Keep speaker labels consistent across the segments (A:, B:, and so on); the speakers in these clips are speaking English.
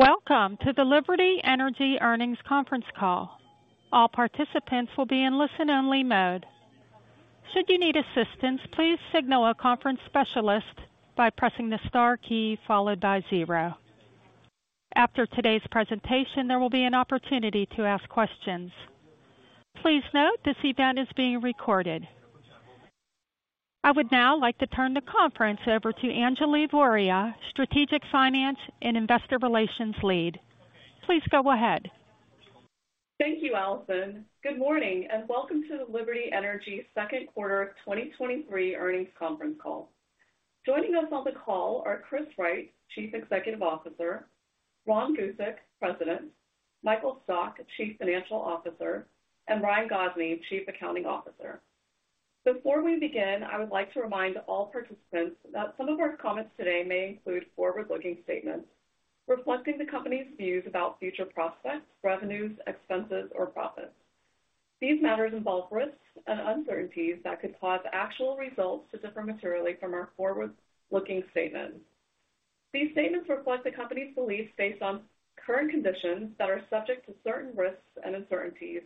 A: Welcome to the Liberty Energy Earnings Conference Call. All participants will be in listen-only mode. Should you need assistance, please signal a conference specialist by pressing the star key followed by zero. After today's presentation, there will be an opportunity to ask questions. Please note this event is being recorded. I would now like to turn the conference over to Anjali Voria, Strategic Finance and Investor Relations Lead. Please go ahead.
B: Thank you, Allison. Good morning, and welcome to the Liberty Energy Second Quarter 2023 Earnings Conference Call. Joining us on the call are Chris Wright, Chief Executive Officer, Ron Gusek, President, Michael Stock, Chief Financial Officer, and Ryan Gosney, Chief Accounting Officer. Before we begin, I would like to remind all participants that some of our comments today may include forward-looking statements reflecting the company's views about future prospects, revenues, expenses, or profits. These matters involve risks and uncertainties that could cause actual results to differ materially from our forward-looking statements. These statements reflect the company's beliefs based on current conditions that are subject to certain risks and uncertainties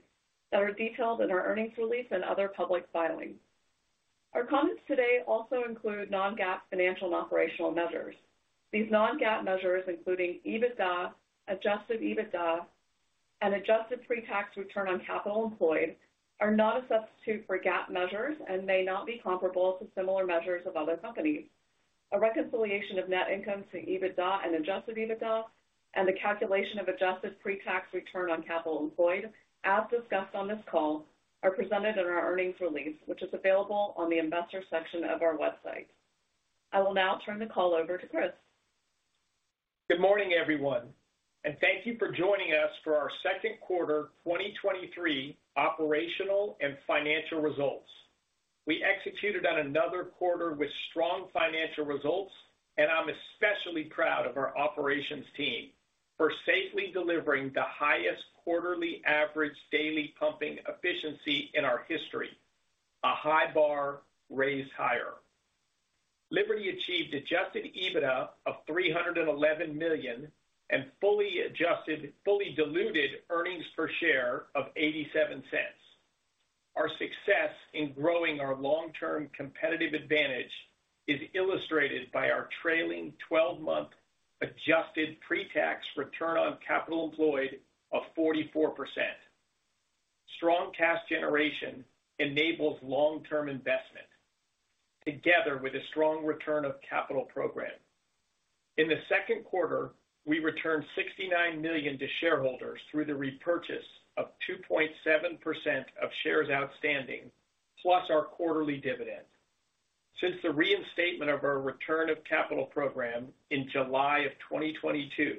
B: that are detailed in our earnings release and other public filings. Our comments today also include non-GAAP financial and operational measures. These non-GAAP measures, including EBITDA, Adjusted EBITDA, and adjusted pre-tax return on capital employed, are not a substitute for GAAP measures and may not be comparable to similar measures of other companies. A reconciliation of net income to EBITDA and Adjusted EBITDA, and the calculation of adjusted pre-tax return on capital employed, as discussed on this call, are presented in our earnings release, which is available on the Investors section of our website. I will now turn the call over to Chris.
C: Good morning, everyone, and thank you for joining us for our second quarter 2023 operational and financial results. We executed on another quarter with strong financial results, and I'm especially proud of our operations team for safely delivering the highest quarterly average daily pumping efficiency in our history. A high bar raised higher. Liberty achieved Adjusted EBITDA of $311 million and fully diluted earnings per share of $0.87. Our success in growing our long-term competitive advantage is illustrated by our trailing twelve-month adjusted pre-tax return on capital employed of 44%. Strong cash generation enables long-term investment, together with a strong return of capital program. In the second quarter, we returned $69 million to shareholders through the repurchase of 2.7% of shares outstanding, plus our quarterly dividend. Since the reinstatement of our return of capital program in July of 2022,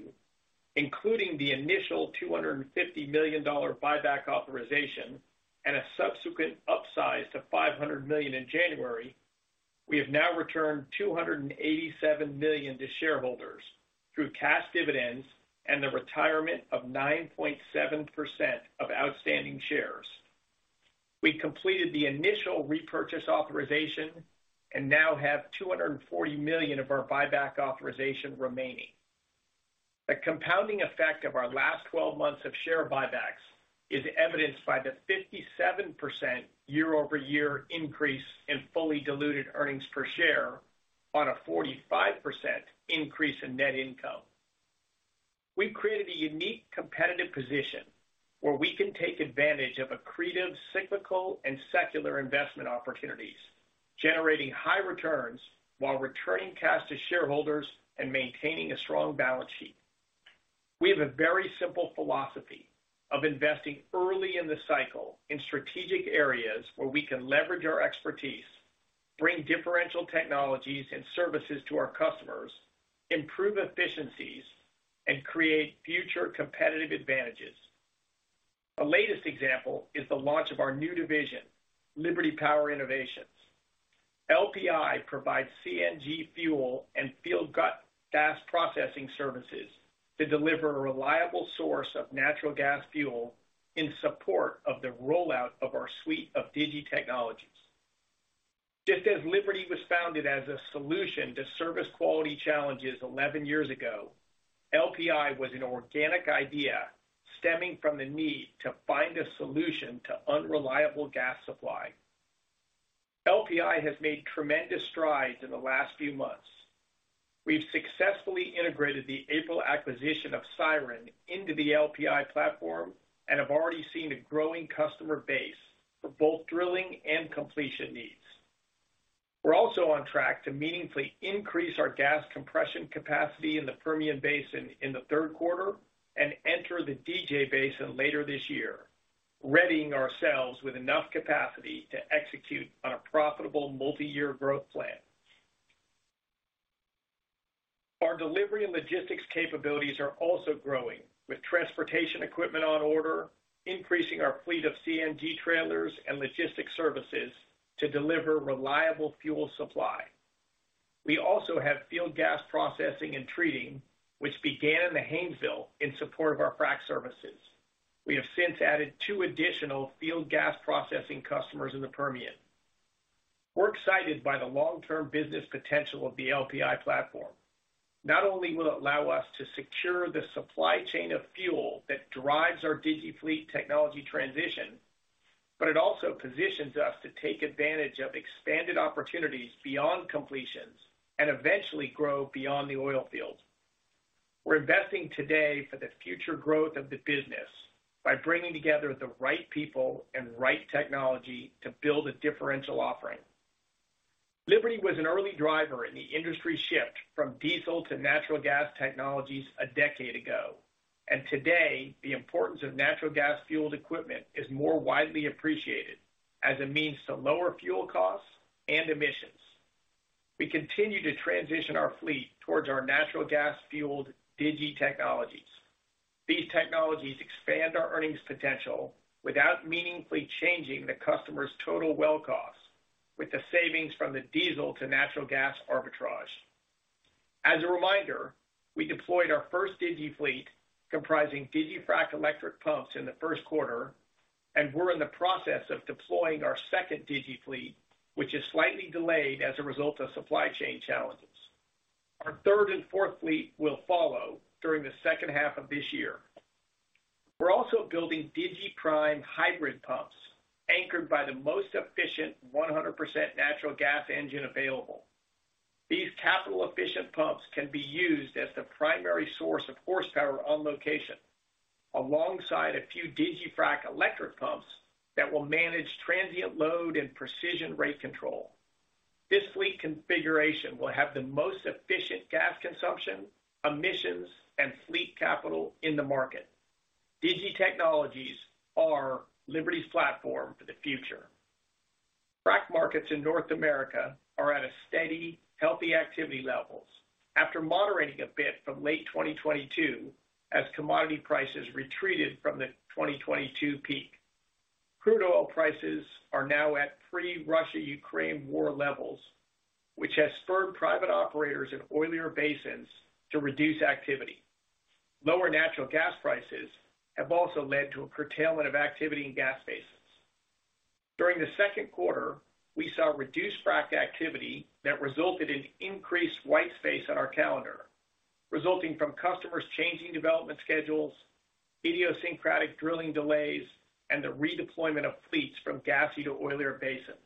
C: including the initial $250 million buyback authorization and a subsequent upsize to $500 million in January, we have now returned $287 million to shareholders through cash dividends and the retirement of 9.7% of outstanding shares. We completed the initial repurchase authorization and now have $240 million of our buyback authorization remaining. The compounding effect of our last 12 months of share buybacks is evidenced by the 57% year-over-year increase in fully diluted earnings per share on a 45% increase in net income. We've created a unique competitive position where we can take advantage of accretive, cyclical and secular investment opportunities, generating high returns while returning cash to shareholders and maintaining a strong balance sheet. We have a very simple philosophy of investing early in the cycle in strategic areas where we can leverage our expertise, bring differential technologies and services to our customers, improve efficiencies, and create future competitive advantages. A latest example is the launch of our new division, Liberty Power Innovations. LPI provides CNG fuel and field gas processing services to deliver a reliable source of natural gas fuel in support of the rollout of our suite of digi technologies. Just as Liberty was founded as a solution to service quality challenges 11 years ago, LPI was an organic idea stemming from the need to find a solution to unreliable gas supply. LPI has made tremendous strides in the last few months. We've successfully integrated the April acquisition of Siren into the LPI platform and have already seen a growing customer base for both drilling and completion needs. We're also on track to meaningfully increase our gas compression capacity in the Permian Basin in the third quarter and enter the DJ Basin later this year, readying ourselves with enough capacity to execute on a profitable multi-year growth plan. Our delivery and logistics capabilities are also growing, with transportation equipment on order, increasing our fleet of CNG trailers and logistics services to deliver reliable fuel supply. We also have field gas processing and treating, which began in the Haynesville in support of our frac services. We have since added two additional field gas processing customers in the Permian. We're excited by the long-term business potential of the LPI platform. Not only will it allow us to secure the supply chain of fuel that drives our digiFleet technology transition, but it also positions us to take advantage of expanded opportunities beyond completions and eventually grow beyond the oilfield. We're investing today for the future growth of the business by bringing together the right people and right technology to build a differential offering. Liberty was an early driver in the industry shift from diesel to natural gas technologies a decade ago. Today, the importance of natural gas fueled equipment is more widely appreciated as a means to lower fuel costs and emissions. We continue to transition our fleet towards our natural gas fueled digi technologies. These technologies expand our earnings potential without meaningfully changing the customer's total well costs, with the savings from the diesel to natural gas arbitrage. As a reminder, we deployed our first digiFleet, comprising digiFrac electric pumps, in the first quarter, and we're in the process of deploying our second digiFleet, which is slightly delayed as a result of supply chain challenges. Our third and fourth fleet will follow during the second half of this year. We're also building digiPrime hybrid pumps, anchored by the most efficient 100% natural gas engine available. These capital-efficient pumps can be used as the primary source of horsepower on location, alongside a few digiFrac electric pumps that will manage transient load and precision rate control. This fleet configuration will have the most efficient gas consumption, emissions, and fleet capital in the market. digi technologies are Liberty's platform for the future. Frac markets in North America are at a steady, healthy activity levels after moderating a bit from late 2022, as commodity prices retreated from the 2022 peak. Crude oil prices are now at pre-Russia, Ukraine war levels, which has spurred private operators in oilier basins to reduce activity. Lower natural gas prices have also led to a curtailment of activity in gas basins. During the second quarter, we saw reduced frac activity that resulted in increased white space on our calendar, resulting from customers changing development schedules, idiosyncratic drilling delays, and the redeployment of fleets from gassy to oilier basins.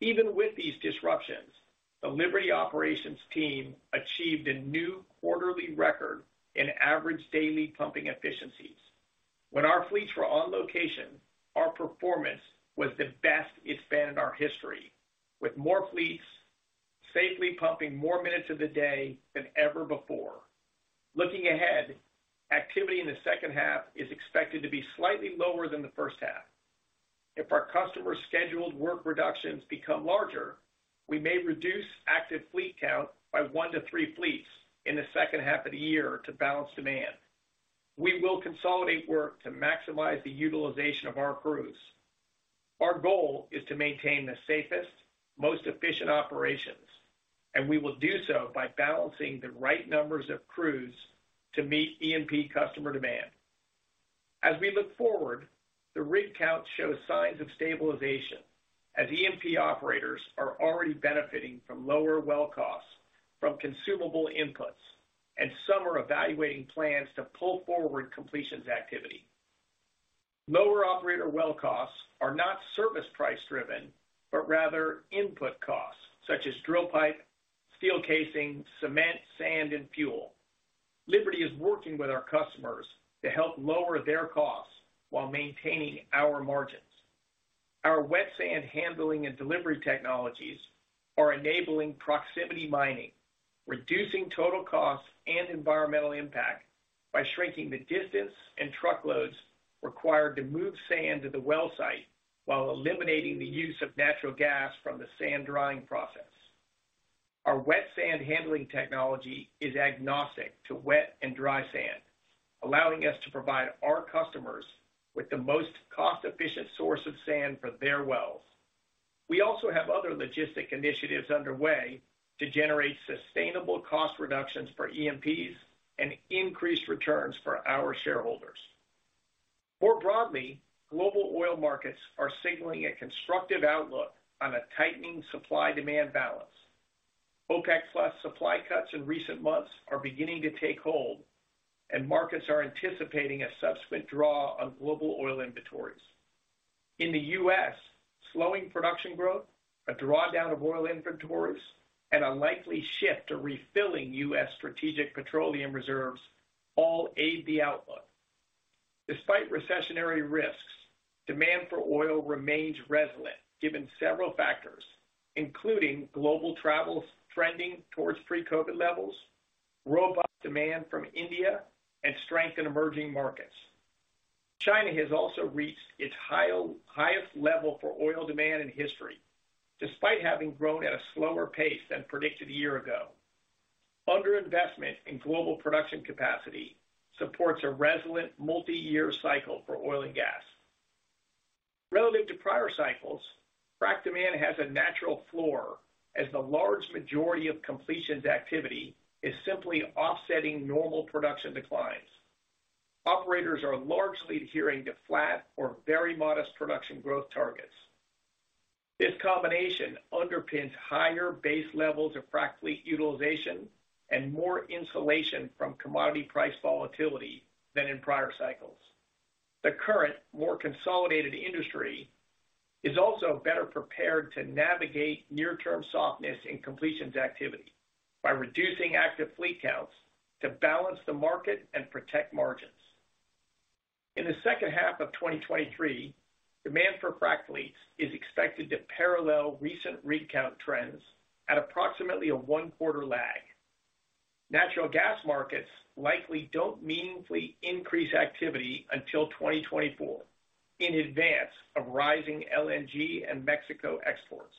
C: Even with these disruptions, the Liberty operations team achieved a new quarterly record in average daily pumping efficiencies. When our fleets were on location, our performance was the best it's been in our history, with more fleets safely pumping more minutes of the day than ever before. Looking ahead, activity in the second half is expected to be slightly lower than the first half. If our customers' scheduled work reductions become larger, we may reduce active fleet count by one to three fleets in the second half of the year to balance demand. We will consolidate work to maximize the utilization of our crews. Our goal is to maintain the safest, most efficient operations, and we will do so by balancing the right numbers of crews to meet E&P customer demand. As we look forward, the rig count shows signs of stabilization, as E&P operators are already benefiting from lower well costs from consumable inputs, and some are evaluating plans to pull forward completions activity. Lower operator well costs are not service price driven, but rather input costs, such as drill pipe, steel casing, cement, sand, and fuel. Liberty is working with our customers to help lower their costs while maintaining our margins. Our wet sand handling and delivery technologies are enabling proximity mining, reducing total costs and environmental impact by shrinking the distance and truckloads required to move sand to the well site, while eliminating the use of natural gas from the sand drying process. Our wet sand handling technology is agnostic to wet and dry sand, allowing us to provide our customers with the most cost-efficient source of sand for their wells. We also have other logistic initiatives underway to generate sustainable cost reductions for E&Ps and increased returns for our shareholders. More broadly, global oil markets are signaling a constructive outlook on a tightening supply-demand balance. OPEC Plus supply cuts in recent months are beginning to take hold, and markets are anticipating a subsequent draw on global oil inventories. In the U.S., slowing production growth, a drawdown of oil inventories, and a likely shift to refilling U.S. Strategic Petroleum Reserve all aid the outlook. Despite recessionary risks, demand for oil remains resilient, given several factors, including global travel trending towards pre-COVID levels, robust demand from India, and strength in emerging markets. China has also reached its highest level for oil demand in history, despite having grown at a slower pace than predicted a year ago. Under investment in global production capacity supports a resilient multi-year cycle for oil and gas. Relative to prior cycles, frac demand has a natural floor, as the large majority of completions activity is simply offsetting normal production declines. Operators are largely adhering to flat or very modest production growth targets. This combination underpins higher base levels of frac fleet utilization and more insulation from commodity price volatility than in prior cycles. The current, more consolidated industry is also better prepared to navigate near-term softness in completions activity by reducing active fleet counts to balance the market and protect margins. In the second half of 2023, demand for frac fleets is expected to parallel recent rig count trends at approximately a one quarter lag. Natural gas markets likely don't meaningfully increase activity until 2024 in advance of rising LNG and Mexico exports.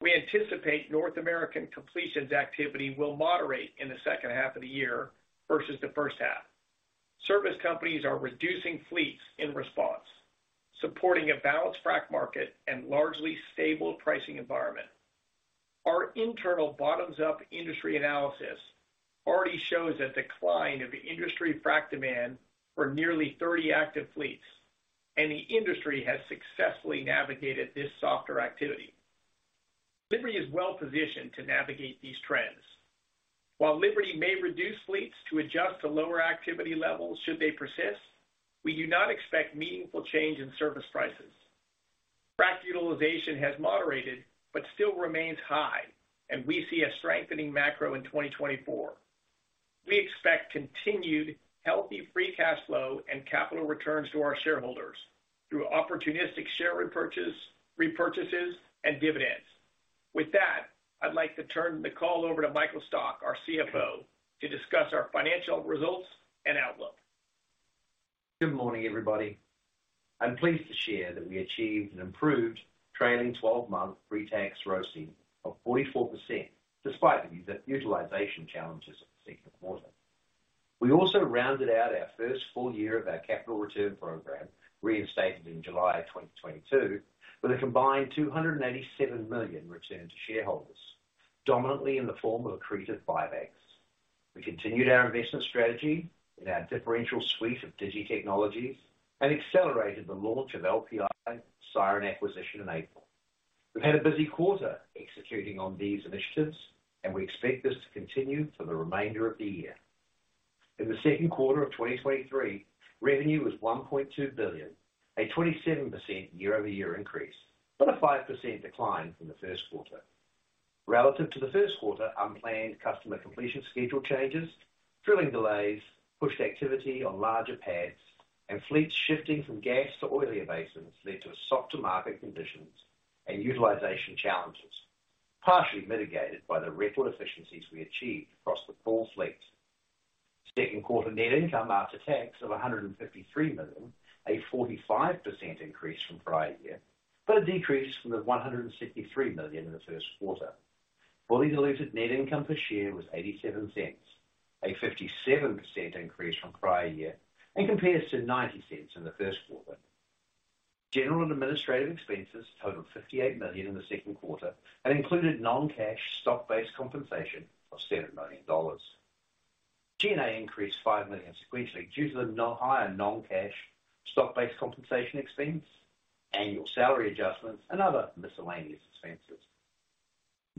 C: We anticipate North American completions activity will moderate in the second half of the year versus the first half. Service companies are reducing fleets in response, supporting a balanced frac market and largely stable pricing environment. Our internal bottoms-up industry analysis already shows a decline of industry frac demand for nearly 30 active fleets. The industry has successfully navigated this softer activity. Liberty is well positioned to navigate these trends. While Liberty may reduce fleets to adjust to lower activity levels, should they persist, we do not expect meaningful change in service prices. Frac utilization has moderated but still remains high. We see a strengthening macro in 2024. We expect continued healthy free cash flow and capital returns to our shareholders through opportunistic share repurchases and dividends. With that, I'd like to turn the call over to Michael Stock, our CFO, to discuss our financial results and outlook.
D: Good morning, everybody. I'm pleased to share that we achieved an improved trailing twelve-month pre-tax ROIC of 44%, despite the utilization challenges of the second quarter. We also rounded out our first full year of our capital return program, reinstated in July 2022, with a combined $287 million returned to shareholders, dominantly in the form of accretive buybacks. We continued our investment strategy in our differential suite of Digi technologies and accelerated the launch of LPI Siren acquisition in April. We've had a busy quarter executing on these initiatives. We expect this to continue for the remainder of the year. In the second quarter of 2023, revenue was $1.2 billion, a 27% year-over-year increase, but a 5% decline from the first quarter. Relative to the first quarter, unplanned customer completion schedule changes, drilling delays, pushed activity on larger pads, and fleets shifting from gas to oilier basins led to softer market conditions and utilization challenges, partially mitigated by the record efficiencies we achieved across the full fleet. Second quarter net income after tax of $153 million, a 45% increase from prior year, but a decrease from the $163 million in the first quarter. Fully diluted net income per share was $0.87, a 57% increase from prior year, and compares to $0.90 in the first quarter. General and administrative expenses totaled $58 million in the second quarter and included non-cash stock-based compensation of $7 million. G&A increased $5 million sequentially due to the higher non-cash stock-based compensation expense, annual salary adjustments, and other miscellaneous expenses.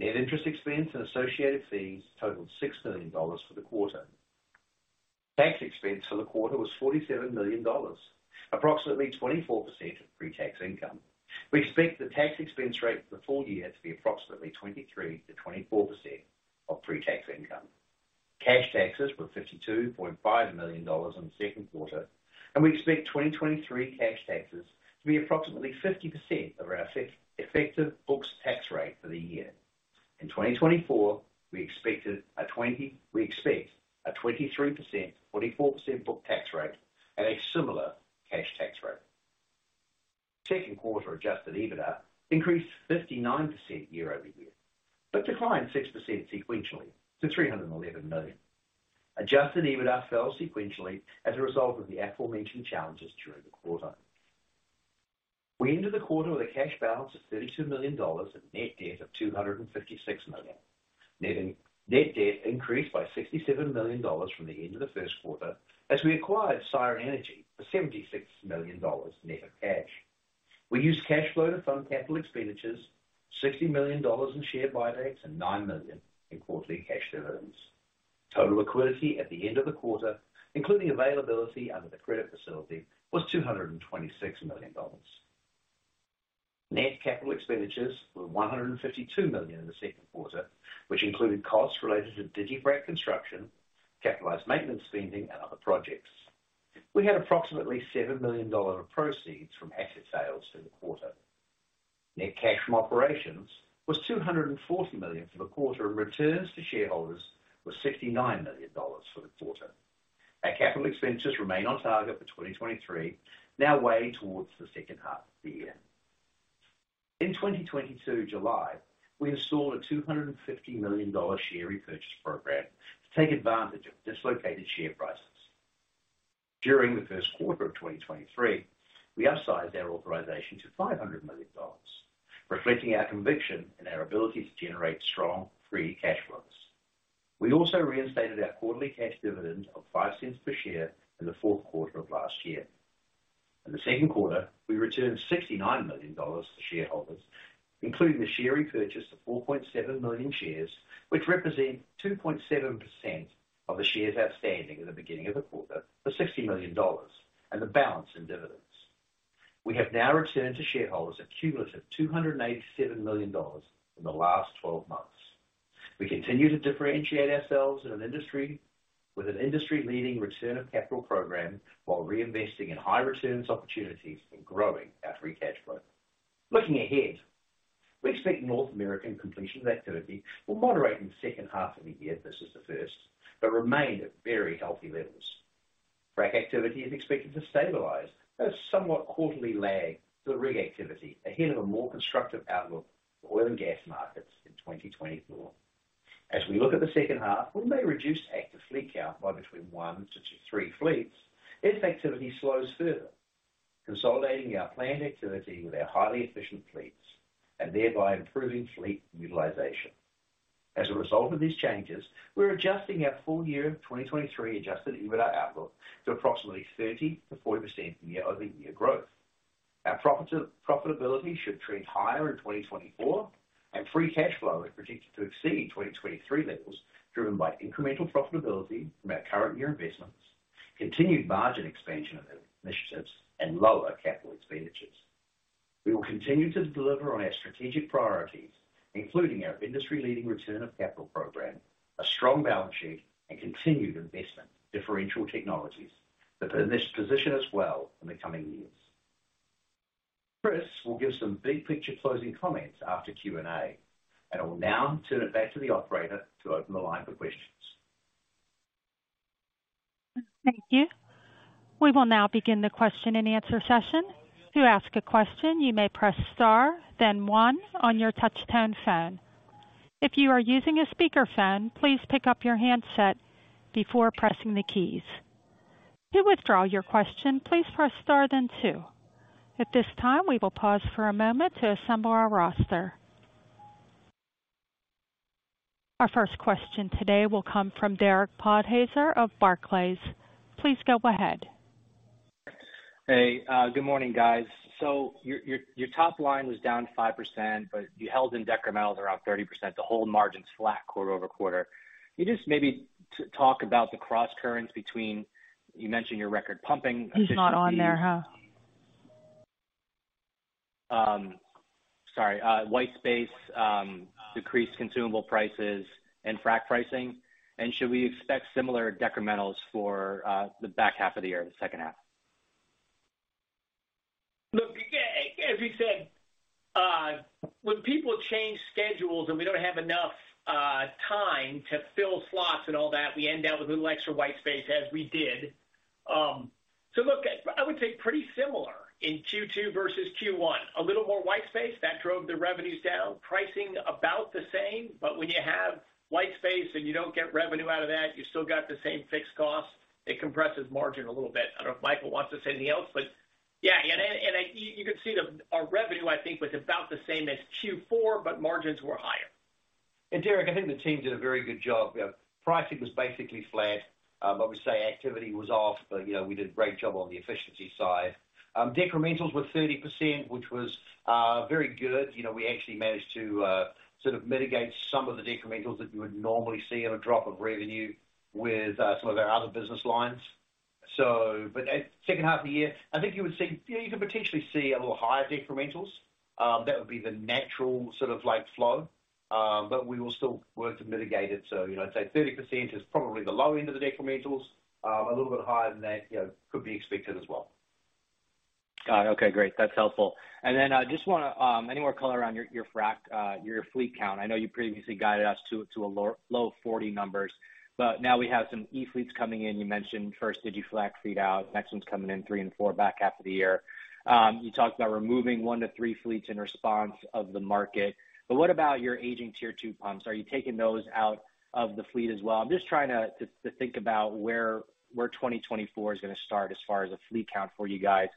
D: Net interest expense and associated fees totaled $6 million for the quarter. Tax expense for the quarter was $47 million, approximately 24% of pre-tax income. We expect the tax expense rate for the full year to be approximately 23%-24% of pre-tax income. Cash taxes were $52.5 million in the second quarter, and we expect 2023 cash taxes to be approximately 50% of our effective books tax rate for the year. In 2024, we expect a 23%, 44% book tax rate and a similar cash tax rate. Second quarter Adjusted EBITDA increased 59% year-over-year, declined 6% sequentially to $311 million. Adjusted EBITDA fell sequentially as a result of the aforementioned challenges during the quarter. We ended the quarter with a cash balance of $32 million and net debt of $256 million. Net debt increased by $67 million from the end of the first quarter as we acquired Siren Energy for $76 million net of cash. We used cash flow to fund capital expenditures, $60 million in share buybacks, and $9 million in quarterly cash dividends. Total liquidity at the end of the quarter, including availability under the credit facility, was $226 million. Net capital expenditures were $152 million in the second quarter, which included costs related to digiFrac construction, capitalized maintenance spending, and other projects. We had approximately $7 million of proceeds from asset sales through the quarter. Net cash from operations was $240 million for the quarter, and returns to shareholders were $69 million for the quarter. Our capital expenses remain on target for 2023, now way towards the second half of the year. In 2022, July, we installed a $250 million share repurchase program to take advantage of dislocated share prices. During the first quarter of 2023, we upsized our authorization to $500 million.... reflecting our conviction and our ability to generate strong free cash flows. We also reinstated our quarterly cash dividend of $0.05 per share in the fourth quarter of last year. In the second quarter, we returned $69 million to shareholders, including the share repurchase of 4.7 million shares, which represent 2.7% of the shares outstanding at the beginning of the quarter, for $60 million and the balance in dividends. We have now returned to shareholders a cumulative $287 million in the last 12 months. We continue to differentiate ourselves in an industry with an industry-leading return of capital program while reinvesting in high returns opportunities and growing our free cash flow. Looking ahead, we expect North American completion of activity will moderate in the second half of the year versus the first, but remain at very healthy levels. Frac activity is expected to stabilize as somewhat quarterly lag to the rig activity ahead of a more constructive outlook for oil and gas markets in 2024. As we look at the second half, we may reduce active fleet count by between 1 to 3 fleets if activity slows further, consolidating our planned activity with our highly efficient fleets and thereby improving fleet utilization. As a result of these changes, we're adjusting our full year of 2023 Adjusted EBITDA outlook to approximately 30%-40% year-over-year growth. Profitability should trend higher in 2024, free cash flow is projected to exceed 2023 levels, driven by incremental profitability from our current year investments, continued margin expansion of initiatives, and lower capital expenditures. We will continue to deliver on our strategic priorities, including our industry-leading return of capital program, a strong balance sheet, and continued investment in differential technologies that position us well in the coming years. Chris will give some big picture closing comments after Q&A. I will now turn it back to the operator to open the line for questions.
A: Thank you. We will now begin the question-and-answer session. To ask a question, you may press star, then one on your touch-tone phone. If you are using a speakerphone, please pick up your handset before pressing the keys. To withdraw your question, please press star, then two. At this time, we will pause for a moment to assemble our roster. Our first question today will come from Derek Podhaizer of Barclays. Please go ahead.
E: Hey, good morning, guys. Your top line was down 5%, but you held in decrementals around 30% to hold margins flat quarter-over-quarter. Can you just maybe talk about the crosscurrents between... You mentioned your record pumping...?
A: He's not on there, huh?
E: Sorry, white space, decreased consumable prices and frac pricing. Should we expect similar decrementals for the back half of the year, the second half?
C: Look, as we said, when people change schedules and we don't have enough time to fill slots and all that, we end up with a little extra white space, as we did. Look, I would say pretty similar in Q2 versus Q1. A little more white space, that drove the revenues down, pricing about the same. When you have white space and you don't get revenue out of that, you still got the same fixed cost, it compresses margin a little bit. I don't know if Michael wants to say anything else, but yeah, and you can see our revenue, I think, was about the same as Q4, but margins were higher.
D: Derek, I think the team did a very good job. Pricing was basically flat, but we say activity was off, but, you know, we did a great job on the efficiency side. Decrementals were 30%, which was very good. You know, we actually managed to sort of mitigate some of the decrementals that you would normally see on a drop of revenue with some of our other business lines. But at second half of the year, I think you would see, you know, you could potentially see a little higher decrementals. That would be the natural sort of like flow, but we will still work to mitigate it. You know, I'd say 30% is probably the low end of the decrementals. A little bit higher than that, you know, could be expected as well.
E: Got it. Okay, great. That's helpful. Then, just want any more color around your frac, your fleet count. I know you previously guided us to a low 40 numbers, but now we have some e-fleets coming in. You mentioned first digiFrac fleet out, next one's coming in three and four, back half of the year. You talked about removing one to three fleets in response of the market, but what about your aging Tier 2 pumps? Are you taking those out of the fleet as well? I'm just trying to think about where 2024 is going to start as far as a fleet count for you guys,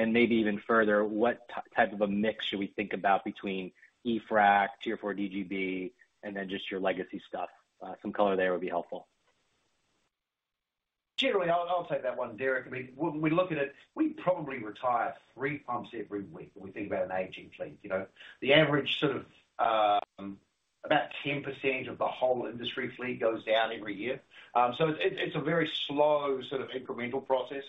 E: and maybe even further, what type of a mix should we think about between e-frac, Tier 4 DGB, and then just your legacy stuff? Some color there would be helpful.
D: Generally, I'll take that one, Derek. I mean, when we look at it, we probably retire three pumps every week when we think about an aging fleet. You know, the average, sort of, about 10% of the whole industry fleet goes down every year. It's a very slow, sort of incremental process.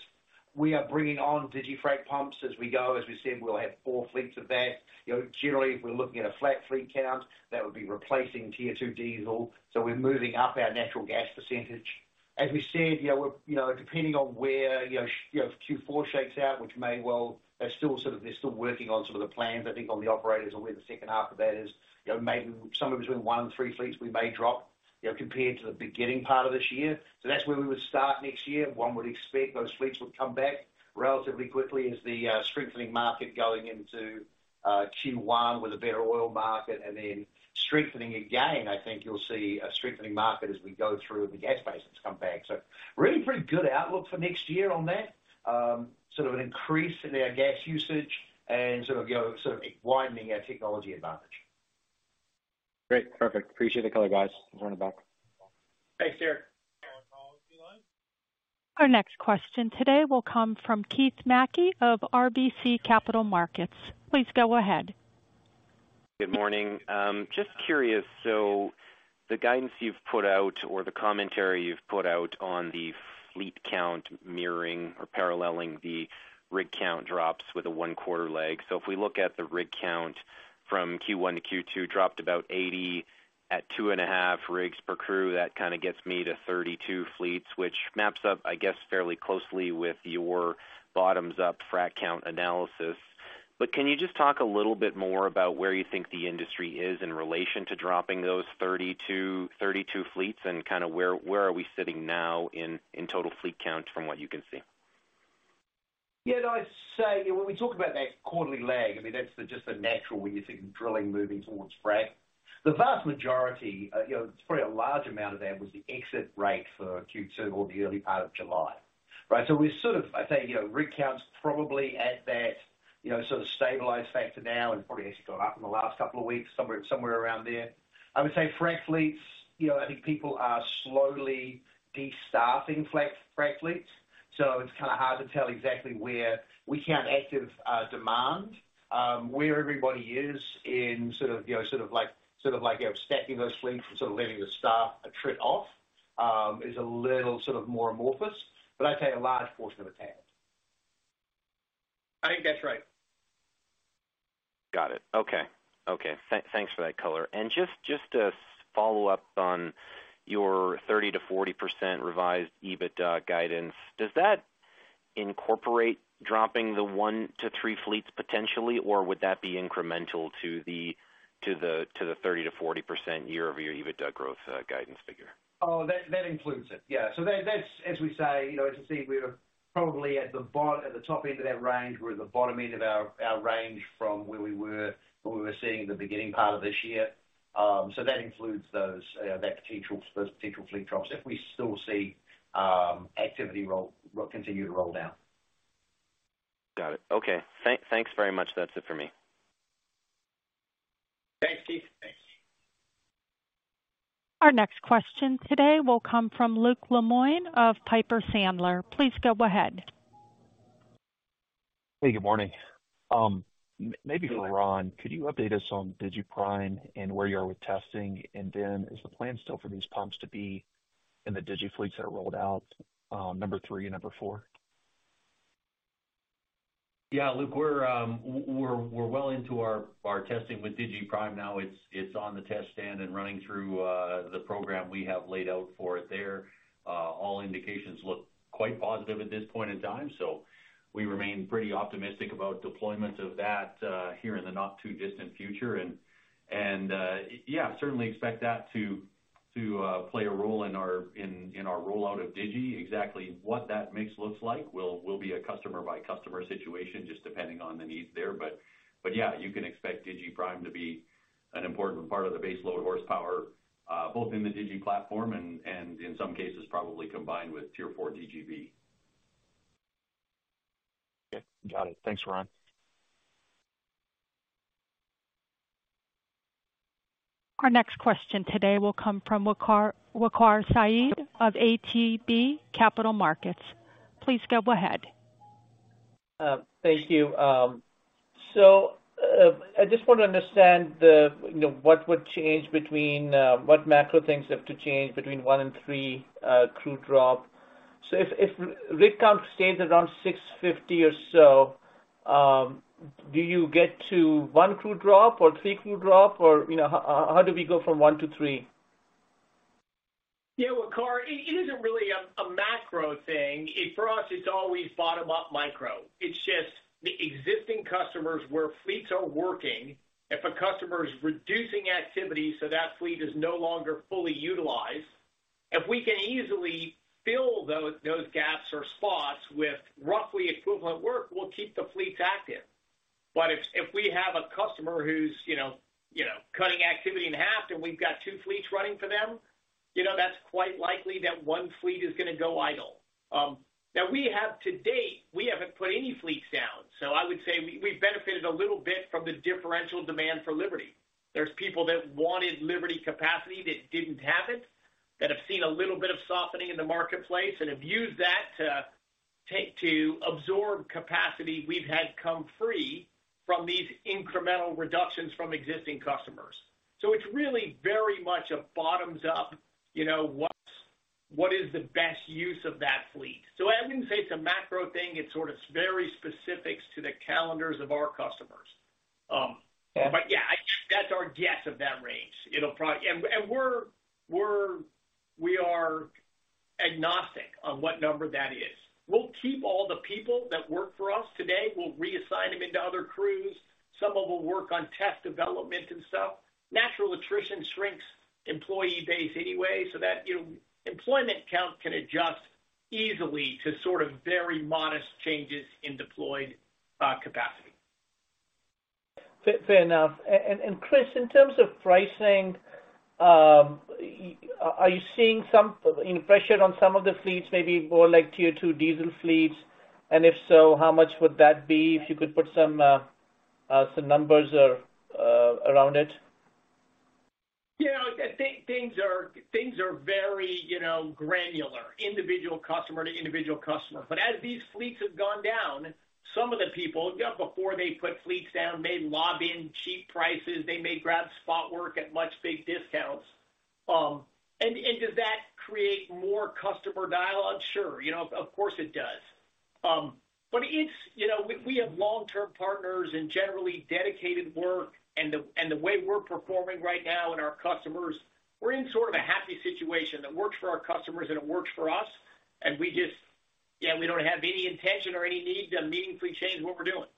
D: We are bringing on digiFrac pumps as we go. As we said, we'll have four fleets of that. You know, generally, if we're looking at a flat fleet count, that would be replacing Tier 2 diesel, so we're moving up our natural gas percentage. As we said, you know, we're, you know, depending on where, you know, Q4 shakes out. They're still working on some of the plans, I think, on the operators and where the second half of that is. You know, maybe somewhere between one and three fleets we may drop, you know, compared to the beginning part of this year. That's where we would start next year. One would expect those fleets would come back relatively quickly as the strengthening market going into Q1 with a better oil market and then strengthening again. I think you'll see a strengthening market as we go through and the gas prices come back. Really pretty good outlook for next year on that. Sort of an increase in our gas usage and sort of, you know, sort of widening our technology advantage.
E: Great, perfect. Appreciate the color, guys. Join it back.
C: Thanks, Eric.
A: Our next question today will come from Keith Mackey of RBC Capital Markets. Please go ahead.
F: Good morning. Just curious, the guidance you've put out or the commentary you've put out on the fleet count mirroring or paralleling the rig count drops with a one-quarter lag. If we look at the rig count from Q1 to Q2, dropped about 80 at 2.5 rigs per crew. That kinda gets me to 32 fleets, which maps up, I guess, fairly closely with your bottoms-up frac count analysis. Can you just talk a little bit more about where you think the industry is in relation to dropping those 32 fleets? Kinda where are we sitting now in total fleet count from what you can see?
D: Yeah, no, I'd say, when we talk about that quarterly lag, I mean, that's the just the natural, when you think of drilling moving towards frac. The vast majority, you know, probably a large amount of that was the exit rate for Q2 or the early part of July, right? We sort of, I'd say, you know, rig counts probably at that, you know, sort of stabilized factor now and probably actually gone up in the last couple of weeks, somewhere around there. I would say frack fleets, you know, I think people are slowly destaffing frack fleets, so it's kinda hard to tell exactly where we count active demand, where everybody is in sort of, you know, sort of like, you know, stacking those fleets and sort of letting the staff attrit off, is a little sort of more amorphous, but I'd say a large portion of it has.
C: I think that's right.
F: Got it. Okay. Okay, thanks for that color. Just to follow up on your 30%-40% revised EBITDA guidance, does that incorporate dropping the one to three fleets potentially, or would that be incremental to the 30%-40% year-over-year EBITDA growth guidance figure?
D: That includes it. Yeah. That's as we say, you know, as you see, we're probably at the top end of that range. We're at the bottom end of our range from where we were sitting in the beginning part of this year. That includes those potential fleet drops if we still see activity continue to roll down.
F: Got it. Okay, thanks very much. That's it for me.
C: Thanks, Keith.
A: Our next question today will come from Luke Lemoine of Piper Sandler. Please go ahead.
G: Hey, good morning. Maybe for Ron, could you update us on digiPrime and where you are with testing? Is the plan still for these pumps to be in the digiFleets that are rolled out, number three and number four?
H: Yeah, Luke, we're well into our testing with digiPrime now. It's on the test stand and running through the program we have laid out for it there. All indications look quite positive at this point in time, so we remain pretty optimistic about deployment of that here in the not-too-distant future. Yeah, certainly expect that to play a role in our rollout of digi. Exactly what that mix looks like will be a customer-by-customer situation, just depending on the needs there. Yeah, you can expect digiPrime to be an important part of the base load horsepower, both in the digi platform and in some cases, probably combined with Tier 4 DGB.
G: Okay, got it. Thanks, Ron.
A: Our next question today will come from Waqar Syed of ATB Capital Markets. Please go ahead.
I: Thank you. I just want to understand the, you know, what would change between, what macro things have to change between one and three, crew drop. If rig count stays around 650 or so, do you get to one crew drop or three crew drop? Or, you know, how do we go from one to three?
C: Waqar, it isn't really a macro thing. For us, it's always bottom-up micro. It's just the existing customers where fleets are working. If a customer is reducing activity, so that fleet is no longer fully utilized, if we can easily fill those gaps or spots with roughly equivalent work, we'll keep the fleets active. If we have a customer who's, you know, cutting activity in half and we've got two fleets running for them, you know, that's quite likely that one fleet is gonna go idle. We have to date, we haven't put any fleets down, so I would say we've benefited a little bit from the differential demand for Liberty. There's people that wanted Liberty capacity that didn't have it, that have seen a little bit of softening in the marketplace and have used that to take to absorb capacity we've had come free from these incremental reductions from existing customers. It's really very much a bottoms-up, you know, what is the best use of that fleet? I wouldn't say it's a macro thing. It's sort of very specifics to the calendars of our customers. Yeah, That's our guess of that range. We are agnostic on what number that is. We'll keep all the people that work for us today. We'll reassign them into other crews. Some of them will work on test development and stuff. Natural attrition shrinks employee base anyway, so that, you know, employment count can adjust easily to sort of very modest changes in deployed capacity.
I: Fair enough. Chris, in terms of pricing, are you seeing some, you know, pressure on some of the fleets, maybe more like Tier 2 diesel fleets? If so, how much would that be? If you could put some numbers around it.
C: Yeah, I think things are very, you know, granular, individual customer to individual customer. As these fleets have gone down, some of the people, just before they put fleets down, may lob in cheap prices, they may grab spot work at much big discounts. Does that create more customer dialogue? Sure, you know, of course it does. It's, you know, we have long-term partners and generally dedicated work and the way we're performing right now and our customers, we're in sort of a happy situation that works for our customers and it works for us, and we don't have any intention or any need to meaningfully change what we're doing.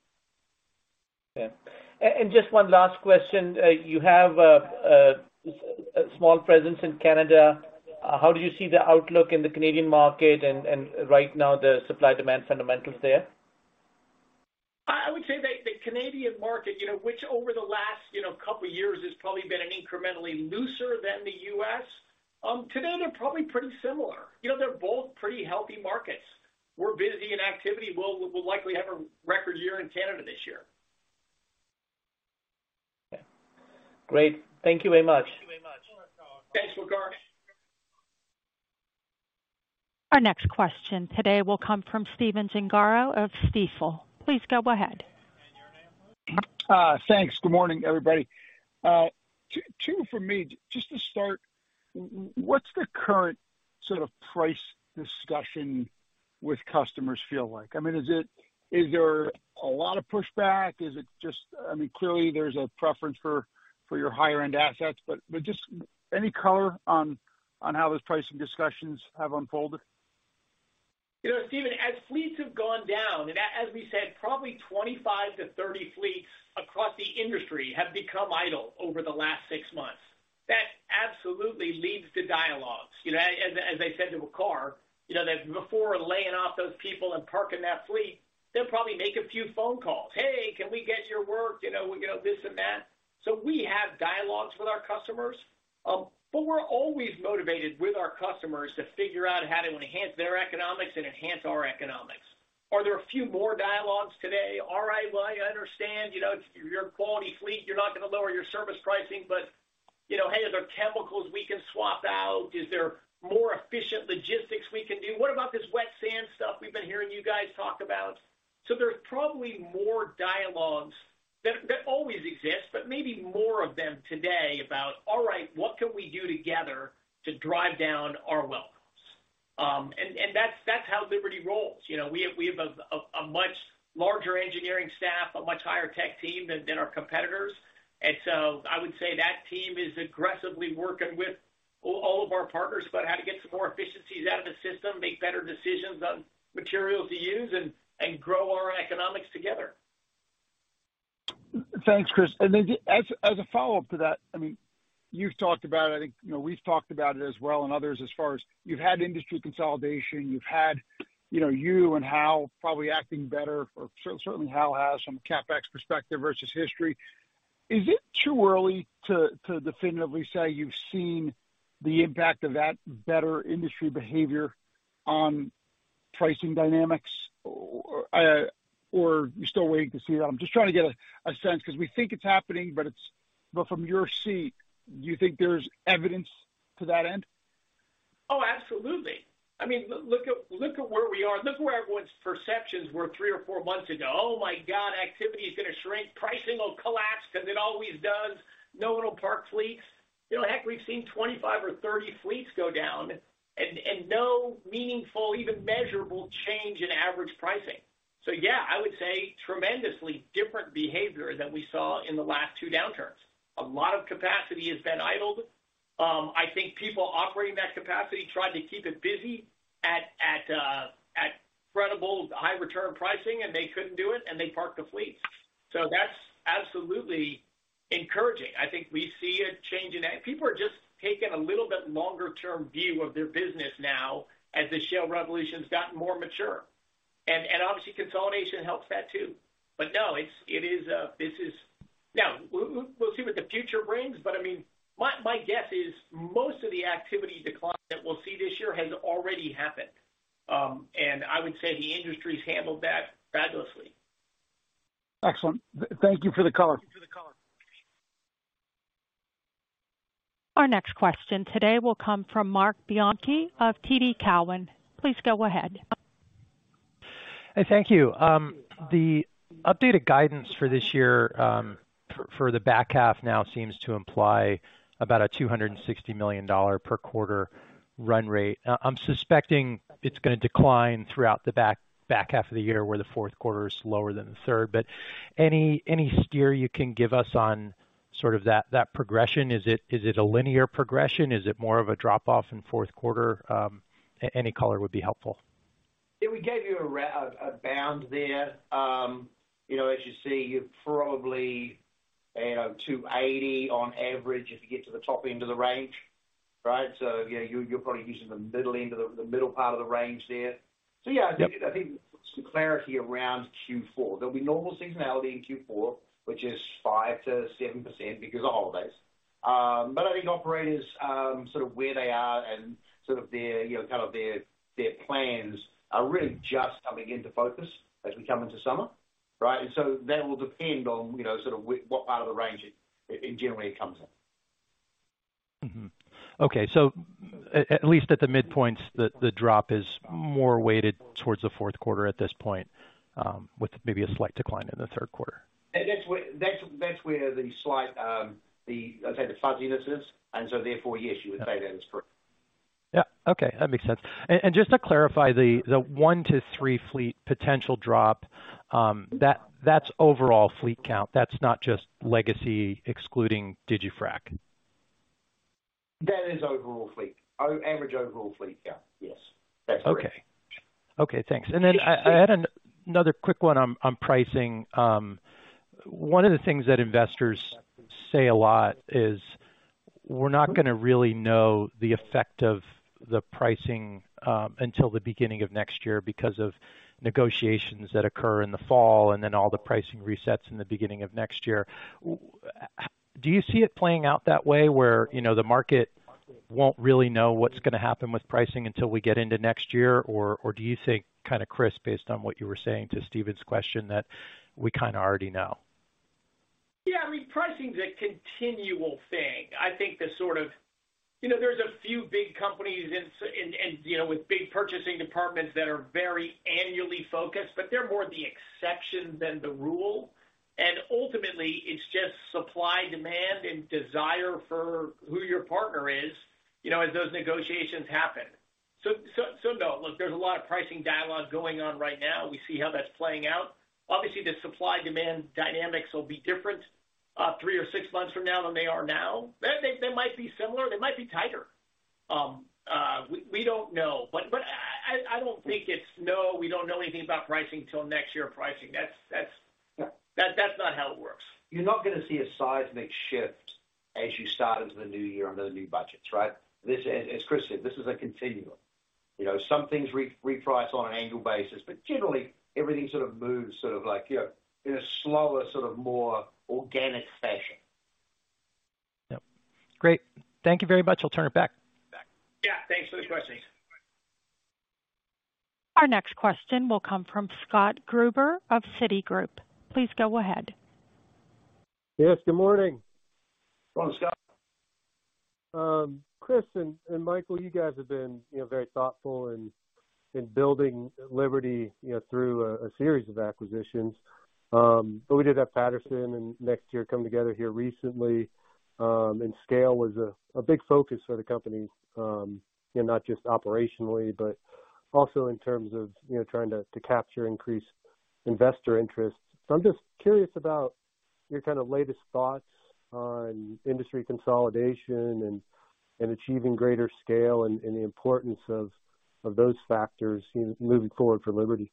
I: Yeah. Just one last question. You have a small presence in Canada. How do you see the outlook in the Canadian market and right now, the supply-demand fundamentals there?
C: I would say the Canadian market, you know, which over the last, you know, couple of years has probably been an incrementally looser than the U.S., today they're probably pretty similar. You know, they're both pretty healthy markets. We're busy in activity. We'll likely have a record year in Canada this year.
I: Yeah. Great. Thank you very much.
C: Thanks, Waqar Syed.
A: Our next question today will come from Stephen Gengaro of Stifel. Please go ahead.
J: Thanks. Good morning, everybody. Two from me. Just to start, what's the current sort of price discussion with customers feel like? I mean, is there a lot of pushback? Is it just? I mean, clearly, there's a preference for your higher end assets, but just any color on how those pricing discussions have unfolded?
C: You know, Stephen, as fleets have gone down, as we said, probably 25-30 fleets across the industry have become idle over the last six months. That absolutely leads to dialogues. You know, as I said to Waqar, you know, that before laying off those people and parking that fleet, they'll probably make a few phone calls: "Hey, can we get your work?" You know, this and that. We have dialogues with our customers, but we're always motivated with our customers to figure out how to enhance their economics and enhance our economics. Are there a few more dialogues today? All right, well, I understand, you know, your quality fleet, you're not going to lower your service pricing, but, you know, hey, are there chemicals we can swap out? Is there more efficient logistics we can do? What about this wet sand stuff we've been hearing you guys talk about? There's probably more dialogues that always exist, but maybe more of them today about, all right, what can we do together to drive down our well costs? And that's how Liberty rolls. You know, we have a much larger engineering staff, a much higher tech team than our competitors. I would say that team is aggressively working with all of our partners about how to get some more efficiencies out of the system, make better decisions on materials to use, and grow our economics together.
J: Thanks, Chris. As a follow-up to that, I mean, you've talked about it, I think, you know, we've talked about it as well and others, as far as you've had industry consolidation, you've had, you know, you and Halliburton probably acting better, or certainly Halliburton has from a CapEx perspective versus history. Is it too early to definitively say you've seen the impact of that better industry behavior on pricing dynamics, or you're still waiting to see that? I'm just trying to get a sense because we think it's happening, but from your seat, do you think there's evidence to that end?
C: Absolutely. I mean, look at where we are. Look where everyone's perceptions were three or four months ago. My God, activity is going to shrink, pricing will collapse because it always does. No one will park fleets. You know, heck, we've seen 25 or 30 fleets go down and no meaningful, even measurable change in average pricing. Yeah, I would say tremendously different behavior than we saw in the last two downturns. A lot of capacity has been idled. I think people operating that capacity tried to keep it busy at incredible high return pricing, and they couldn't do it, and they parked the fleets. That's absolutely encouraging. I think we see a change in that. People are just taking a little bit longer term view of their business now as the American Shale Revolution has gotten more mature. Obviously consolidation helps that, too. It is. We'll see what the future brings, but I mean, my guess is most of the activity decline that we'll see this year has already happened. I would say the industry's handled that fabulously.
J: Excellent. Thank you for the color.
A: Our next question today will come from Marc Bianchi of TD Cowen. Please go ahead.
K: Hey, thank you. The updated guidance for this year, for the back half now seems to imply about a $260 million per quarter run rate. I'm suspecting it's going to decline throughout the back half of the year, where the fourth quarter is lower than the third. Any steer you can give us on sort of that progression? Is it a linear progression? Is it more of a drop-off in fourth quarter? Any color would be helpful.
C: Yeah, we gave you a bound there. You know, as you see, you're probably, you know, $280 on average, if you get to the top end of the range, right? Yeah, you're probably using the middle part of the range there.
D: Yeah, I think some clarity around Q4, there'll be normal seasonality in Q4, which is 5%-7% because of holidays. But I think operators, sort of where they are and sort of their, you know, kind of their plans are really just coming into focus as we come into summer. Right? That will depend on, you know, what part of the range it generally comes in.
K: Okay. At least at the midpoints, the drop is more weighted towards the fourth quarter at this point, with maybe a slight decline in the third quarter.
D: That's where, that's where the slight, the, I'd say, the fuzziness is, and so therefore, yes, you would say that is true.
K: Yeah. Okay, that makes sense. just to clarify, the one to three fleet potential drop, that's overall fleet count. That's not just legacy excluding digiFrac?
D: That is overall fleet. Oh, average overall fleet, yeah. Yes, that's correct.
K: Okay. Okay, thanks.
D: Yeah.
K: I had another quick one on pricing. One of the things that investors say a lot is, we're not gonna really know the effect of the pricing until the beginning of next year because of negotiations that occur in the fall and then all the pricing resets in the beginning of next year. Do you see it playing out that way, where, you know, the market won't really know what's gonna happen with pricing until we get into next year? Do you think, kinda, Chris, based on what you were saying to Stephen's question, that we kinda already know?
C: Yeah, I mean, pricing's a continual thing. I think the sort of. You know, there's a few big companies in, and, you know, with big purchasing departments that are very annually focused, but they're more the exception than the rule. Ultimately, it's just supply, demand, and desire for who your partner is, you know, as those negotiations happen. No, look, there's a lot of pricing dialogue going on right now. We see how that's playing out. Obviously, the supply/demand dynamics will be different, three or six months from now than they are now. They might be similar, they might be tighter. We don't know. I don't think it's, no, we don't know anything about pricing till next year pricing. That's not how it works.
D: You're not gonna see a seismic shift as you start into the new year under the new budgets, right? This is, as Chris said, this is a continuum. You know, some things reprice on an annual basis, but generally, everything sort of moves, sort of like, you know, in a slower, sort of more organic fashion.
K: Yep. Great. Thank you very much. I'll turn it back.
C: Yeah, thanks for the questions.
A: Our next question will come from Scott Gruber of Citigroup. Please go ahead.
L: Yes, good morning.
D: Hello, Scott.
L: Chris and Michael, you guys have been, you know, very thoughtful in building Liberty, you know, through a series of acquisitions. We did have Patterson-UTI and NexTier come together here recently, and scale was a big focus for the company, you know, not just operationally, but also in terms of, you know, trying to capture increased investor interest. I'm just curious about your kind of latest thoughts on industry consolidation and achieving greater scale and the importance of those factors, you know, moving forward for Liberty.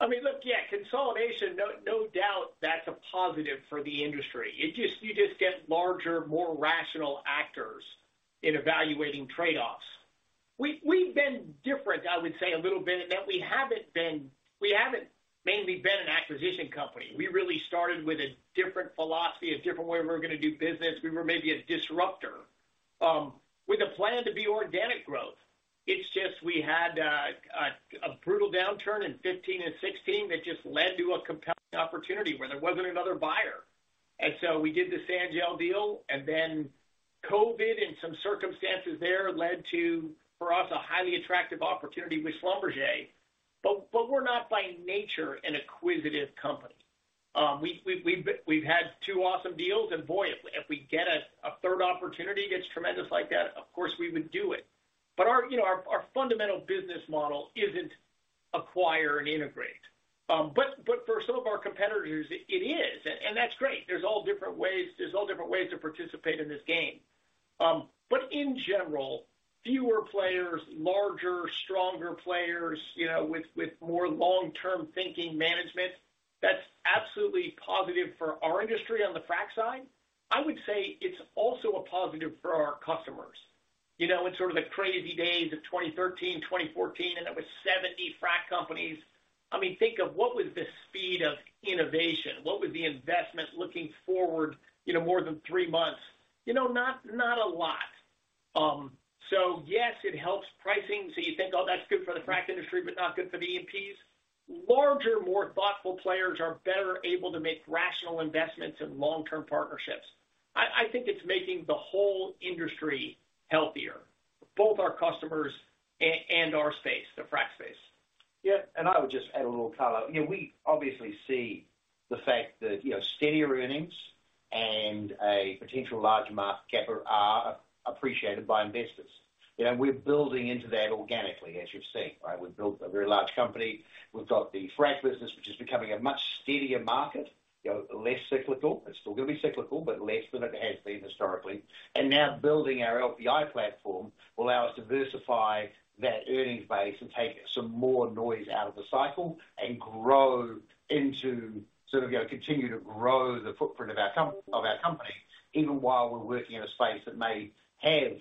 C: I mean, look, yeah, consolidation, no doubt that's a positive for the industry. You just get larger, more rational actors in evaluating trade-offs. We've been different, I would say, a little bit, in that we haven't mainly been an acquisition company. We really started with a different philosophy, a different way we were gonna do business. We were maybe a disruptor, with a plan to be organic growth. It's just we had a brutal downturn in 2015 and 2016 that just led to a compelling opportunity where there wasn't another buyer. We did the Sanjel deal, and then COVID and some circumstances there led to, for us, a highly attractive opportunity with Schlumberger. We're not by nature, an acquisitive company. We've had two awesome deals, boy, if we get a third opportunity that's tremendous like that, of course, we would do it. Our, you know, our fundamental business model isn't acquire and integrate. For some of our competitors, it is, and that's great. There's all different ways to participate in this game. In general, fewer players, larger, stronger players, you know, with more long-term thinking management, that's absolutely positive for our industry on the frac side. I would say it's also a positive for our customers. You know, in sort of the crazy days of 2013, 2014, there were 70 frac companies, I mean, think of what was the speed of innovation? What was the investment looking forward, you know, more than 3 months? You know, not a lot. Yes, it helps pricing. You think, oh, that's good for the frac industry, but not good for the E&Ps. Larger, more thoughtful players are better able to make rational investments in long-term partnerships. I think it's making the whole industry healthier, both our customers and our space, the frac space.
D: Yeah, I would just add a little color. You know, we obviously see the fact that, you know, steadier earnings and a potential larger market cap are appreciated by investors. You know, we're building into that organically, as you've seen, right? We've built a very large company. We've got the frac business, which is becoming a much steadier market, you know, less cyclical. It's still going to be cyclical, less than it has been historically. Now building our LPI platform will allow us to diversify that earnings base and take some more noise out of the cycle and you know, continue to grow the footprint of our company, even while we're working in a space that may have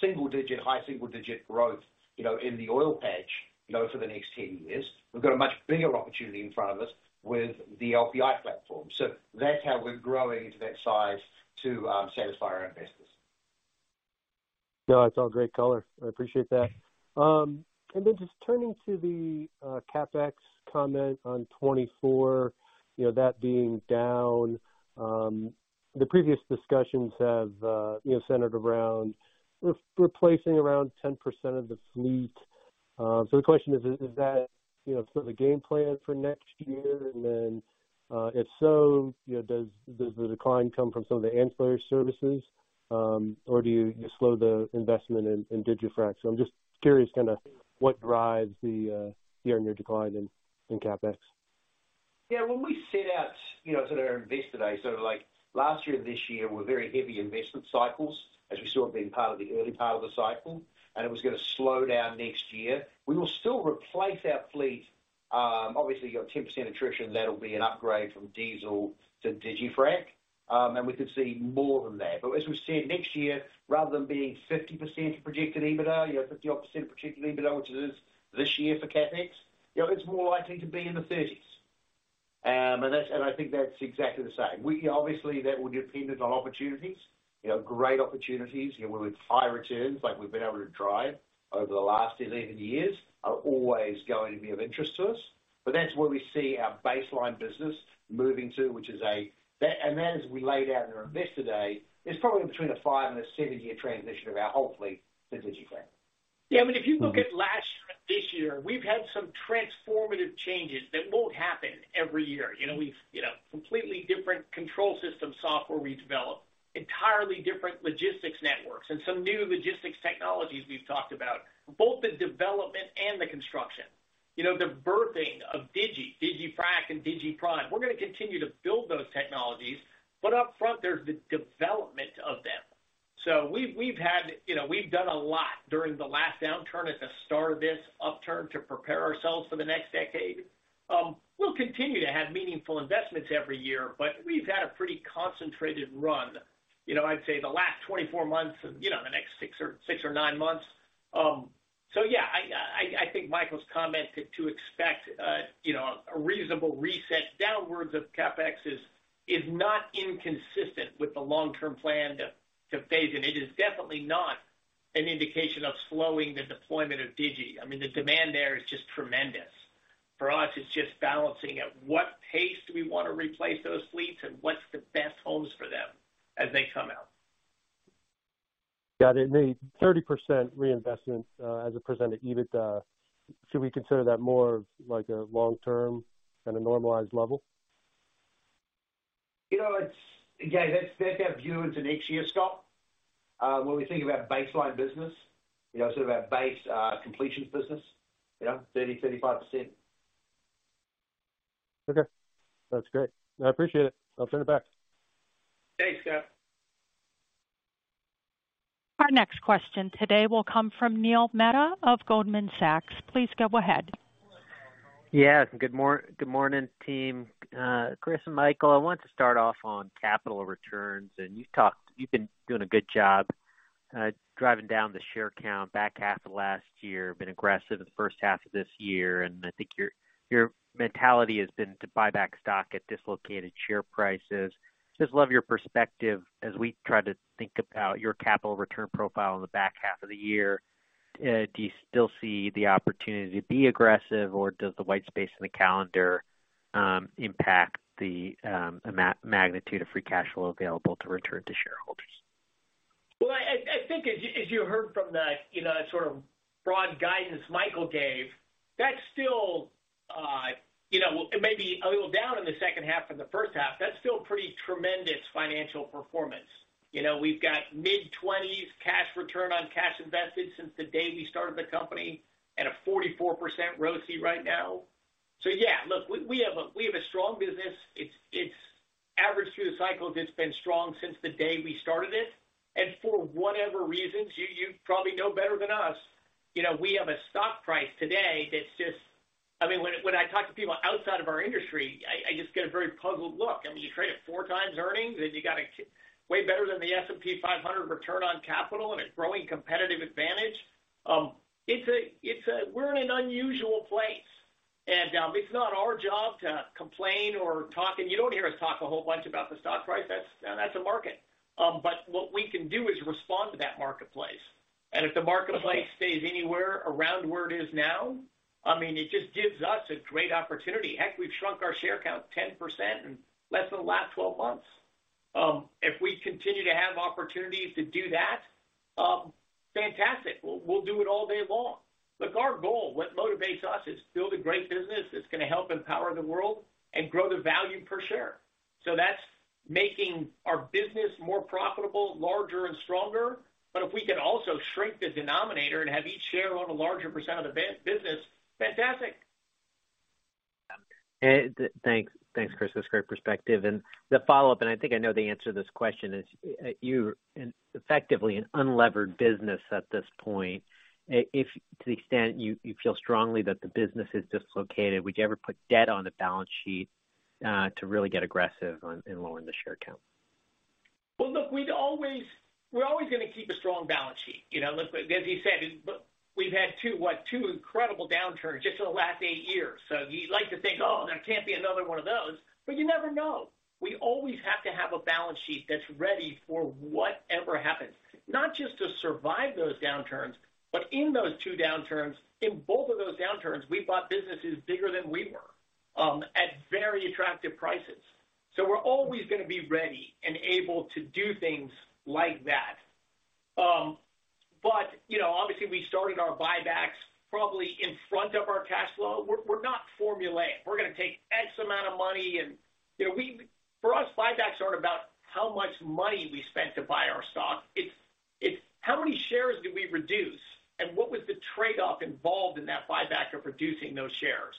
D: single-digit, high single-digit growth, you know, in the oil patch, you know, for the next 10 years. We've got a much bigger opportunity in front of us with the LPI platform. That's how we're growing into that size to satisfy our investors.
L: No, it's all great color. I appreciate that. Just turning to the CapEx comment on 2024, you know, that being down, the previous discussions have, you know, centered around replacing around 10% of the fleet. The question is that, you know, sort of the game plan for next year? If so, you know, does the decline come from some of the ancillary services, or do you slow the investment in digiFrac? I'm just curious kinda what drives the year-on-year decline in CapEx.
D: When we set out, you know, sort of our Investor Day, like last year and this year were very heavy investment cycles, as we saw it being part of the early part of the cycle, and it was gonna slow down next year. We will still replace our fleet. Obviously, you got 10% attrition, that'll be an upgrade from diesel to digiFrac, and we could see more than that. As we said, next year, rather than being 50% of projected EBITDA, you know, 50% odd of projected EBITDA, which is this year for CapEx, you know, it's more likely to be in the 30s. I think that's exactly the same. We obviously, that will be dependent on opportunities, you know, great opportunities, you know, with high returns, like we've been able to drive over the last 11 years, are always going to be of interest to us. That's where we see our baseline business moving to, which is and that, as we laid out in our Investor Day, is probably between a five and a seven-year transition of our whole fleet to digiFrac.
C: Yeah, I mean, if you look at last year and this year, we've had some transformative changes that won't happen every year. You know, we've, you know, completely different control system software we developed, entirely different logistics networks, and some new logistics technologies we've talked about, both the development and the construction. You know, the birthing of digi, digiFrac and digiPrime. We're gonna continue to build those technologies, but upfront, there's the development of them. We've, we've had, you know, we've done a lot during the last downturn at the start of this upturn to prepare ourselves for the next decade. We'll continue to have meaningful investments every year, but we've had a pretty concentrated run, you know, I'd say the last 24 months, and, you know, the next six or nine months. Yeah, I think Michael's comment to expect, you know, a reasonable reset downwards of CapEx is not inconsistent with the long-term plan to phase. It is definitely not an indication of slowing the deployment of Digi. I mean, the demand there is just tremendous. For us, it's just balancing at what pace do we want to replace those fleets and what's the best homes for them as they come out?
L: Yeah, the 30% reinvestment, as a percent of EBITDA, should we consider that more of like a long term and a normalized level?
D: You know, it's. Again, that's our view into next year, Scott. When we think about baseline business, you know, sort of our base completions business, you know, 30%-35%.
L: Okay, that's great. I appreciate it. I'll turn it back.
C: Thanks, Scott.
A: Our next question today will come from Neil Mehta of Goldman Sachs. Please go ahead.
M: Good morning, team. Chris and Michael, I want to start off on capital returns. You've been doing a good job driving down the share count back half of last year, been aggressive in the first half of this year, and I think your mentality has been to buy back stock at dislocated share prices. Just love your perspective as we try to think about your capital return profile in the back half of the year. Do you still see the opportunity to be aggressive, or does the white space in the calendar impact the magnitude of free cash flow available to return to shareholders?
C: Well, I think as you heard from the, you know, sort of broad guidance Michael gave, that's still, you know, it may be a little down in the second half from the first half, that's still pretty tremendous financial performance. You know, we've got mid-20s cash return on cash invested since the day we started the company at a 44% ROC right now. Yeah, look, we have a strong business. It's averaged through the cycles, it's been strong since the day we started it. For whatever reasons, you probably know better than us, you know, we have a stock price today that's just... I mean, when I talk to people outside of our industry, I just get a very puzzled look. I mean, you trade at four times earnings, you got a way better than the S&P 500 return on capital and a growing competitive advantage. We're in an unusual place. It's not our job to complain or talk. You don't hear us talk a whole bunch about the stock price. That's a market. What we can do is respond to that marketplace. If the marketplace stays anywhere around where it is now, I mean, it just gives us a great opportunity. Heck, we've shrunk our share count 10% in less than the last 12 months. If we continue to have opportunities to do that, fantastic! We'll do it all day long. Look, our goal, what motivates us, is build a great business that's gonna help empower the world and grow the value per share. That's making our business more profitable, larger and stronger. If we can also shrink the denominator and have each share own a larger percent of the business, fantastic.
M: Thanks. Thanks, Chris. That's great perspective. The follow-up, and I think I know the answer to this question, is, you're effectively an unlevered business at this point. If to the extent you feel strongly that the business is dislocated, would you ever put debt on the balance sheet?... to really get aggressive on in lowering the share count?
C: Well, look, we're always gonna keep a strong balance sheet. You know, look, as you said, look, we've had two, what? Two incredible downturns just in the last eight years. You'd like to think, "Oh, there can't be another one of those," but you never know. We always have to have a balance sheet that's ready for whatever happens, not just to survive those downturns, but in those two downturns, in both of those downturns, we bought businesses bigger than we were at very attractive prices. We're always gonna be ready and able to do things like that. You know, obviously, we started our buybacks probably in front of our cash flow. We're not formulaic. We're gonna take X amount of money and... You know, for us, buybacks aren't about how much money we spent to buy our stock. It's how many shares did we reduce, and what was the trade-off involved in that buyback of reducing those shares?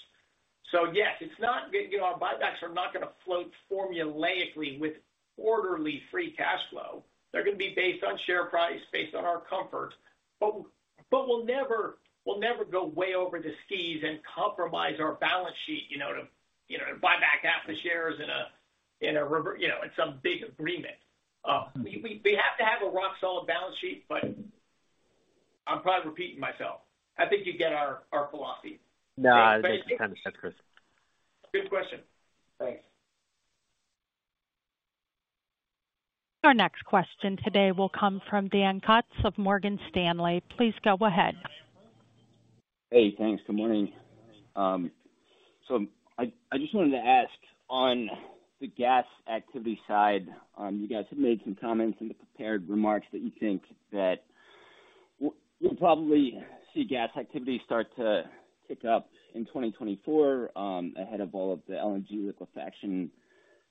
C: Yes, it's not, you know, our buybacks are not gonna float formulaically with quarterly free cash flow. They're gonna be based on share price, based on our comfort. We'll never go way over the skis and compromise our balance sheet, you know, to, you know, to buy back half the shares in a, you know, in some big agreement. We have to have a rock solid balance sheet, but I'm probably repeating myself. I think you get our philosophy.
G: No, I think you kind of said, Chris.
C: Good question. Thanks.
A: Our next question today will come from Dan Kutz of Morgan Stanley. Please go ahead.
N: Hey, thanks. Good morning. I just wanted to ask on the gas activity side, you guys have made some comments in the prepared remarks that you think that we'll probably see gas activity start to pick up in 2024, ahead of all of the LNG liquefaction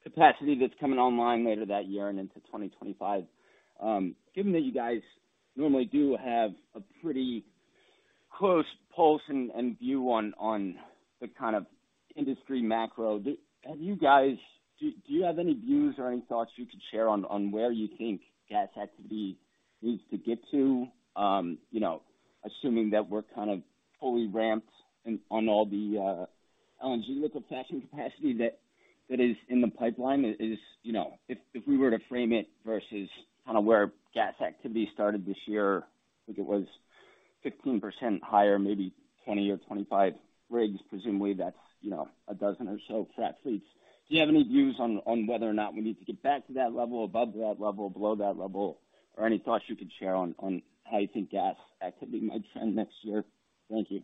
N: capacity that's coming online later that year and into 2025. Given that you guys normally do have a pretty close pulse and view on the kind of industry macro, do you have any views or any thoughts you could share on where you think gas activity needs to get to? You know, assuming that we're kind of fully ramped on all the LNG liquefaction capacity that is in the pipeline, is...? You know, if we were to frame it versus kind of where gas activity started this year, I think it was 15% higher, maybe 20-25 rigs, presumably that's, you know, 12 or so frac fleets. Do you have any views on whether or not we need to get back to that level, above that level, below that level, or any thoughts you could share on how you think gas activity might trend next year? Thank you.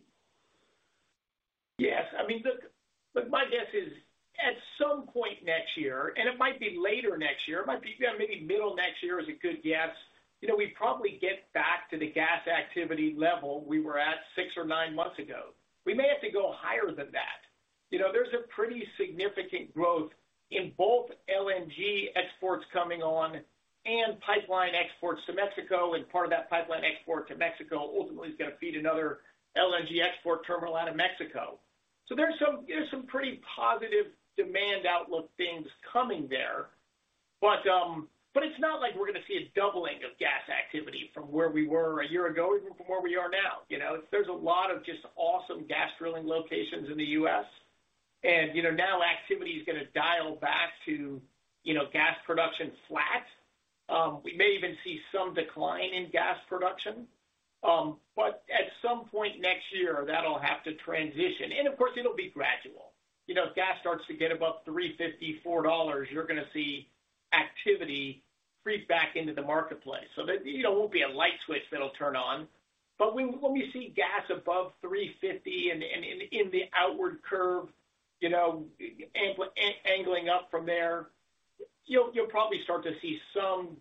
C: Yes, I mean, my guess is, at some point next year, and it might be later next year, it might be, maybe middle of next year is a good guess, you know, we probably get back to the gas activity level we were at six or nine months ago. We may have to go higher than that. You know, there's a pretty significant growth in both LNG exports coming on and pipeline exports to Mexico, and part of that pipeline export to Mexico ultimately is gonna feed another LNG export terminal out of Mexico. There's some pretty positive demand outlook things coming there. It's not like we're gonna see a doubling of gas activity from where we were a year ago, even from where we are now. You know, there's a lot of just awesome gas drilling locations in the U.S., and, you know, now activity is gonna dial back to, you know, gas production flat. We may even see some decline in gas production, but at some point next year, that'll have to transition. Of course, it'll be gradual. You know, if gas starts to get above $3.50, $4, you're gonna see activity creep back into the marketplace. There, you know, won't be a light switch that'll turn on. When we see gas above $3.50 and in the outward curve, you know, angling up from there, you'll probably start to see some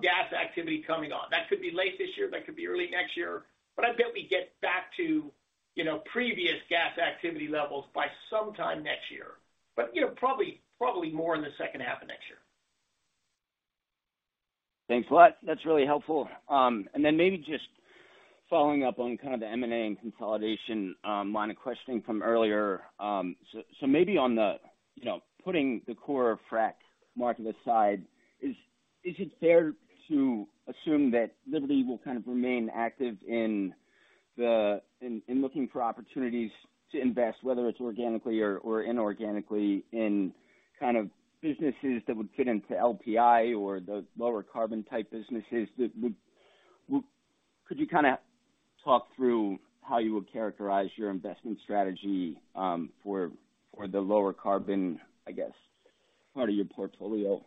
C: gas activity coming on. That could be late this year, that could be early next year, but I bet we get back to, you know, previous gas activity levels by sometime next year. You know, probably more in the second half of next year.
N: Thanks a lot. That's really helpful. Then maybe just following up on kind of the M&A and consolidation, line of questioning from earlier. Maybe on the, you know, putting the core frac market aside, is it fair to assume that Liberty will kind of remain active in looking for opportunities to invest, whether it's organically or inorganically, in kind of businesses that would fit into LPI or the lower carbon-type businesses? Could you kind of talk through how you would characterize your investment strategy, for the lower carbon, I guess, part of your portfolio?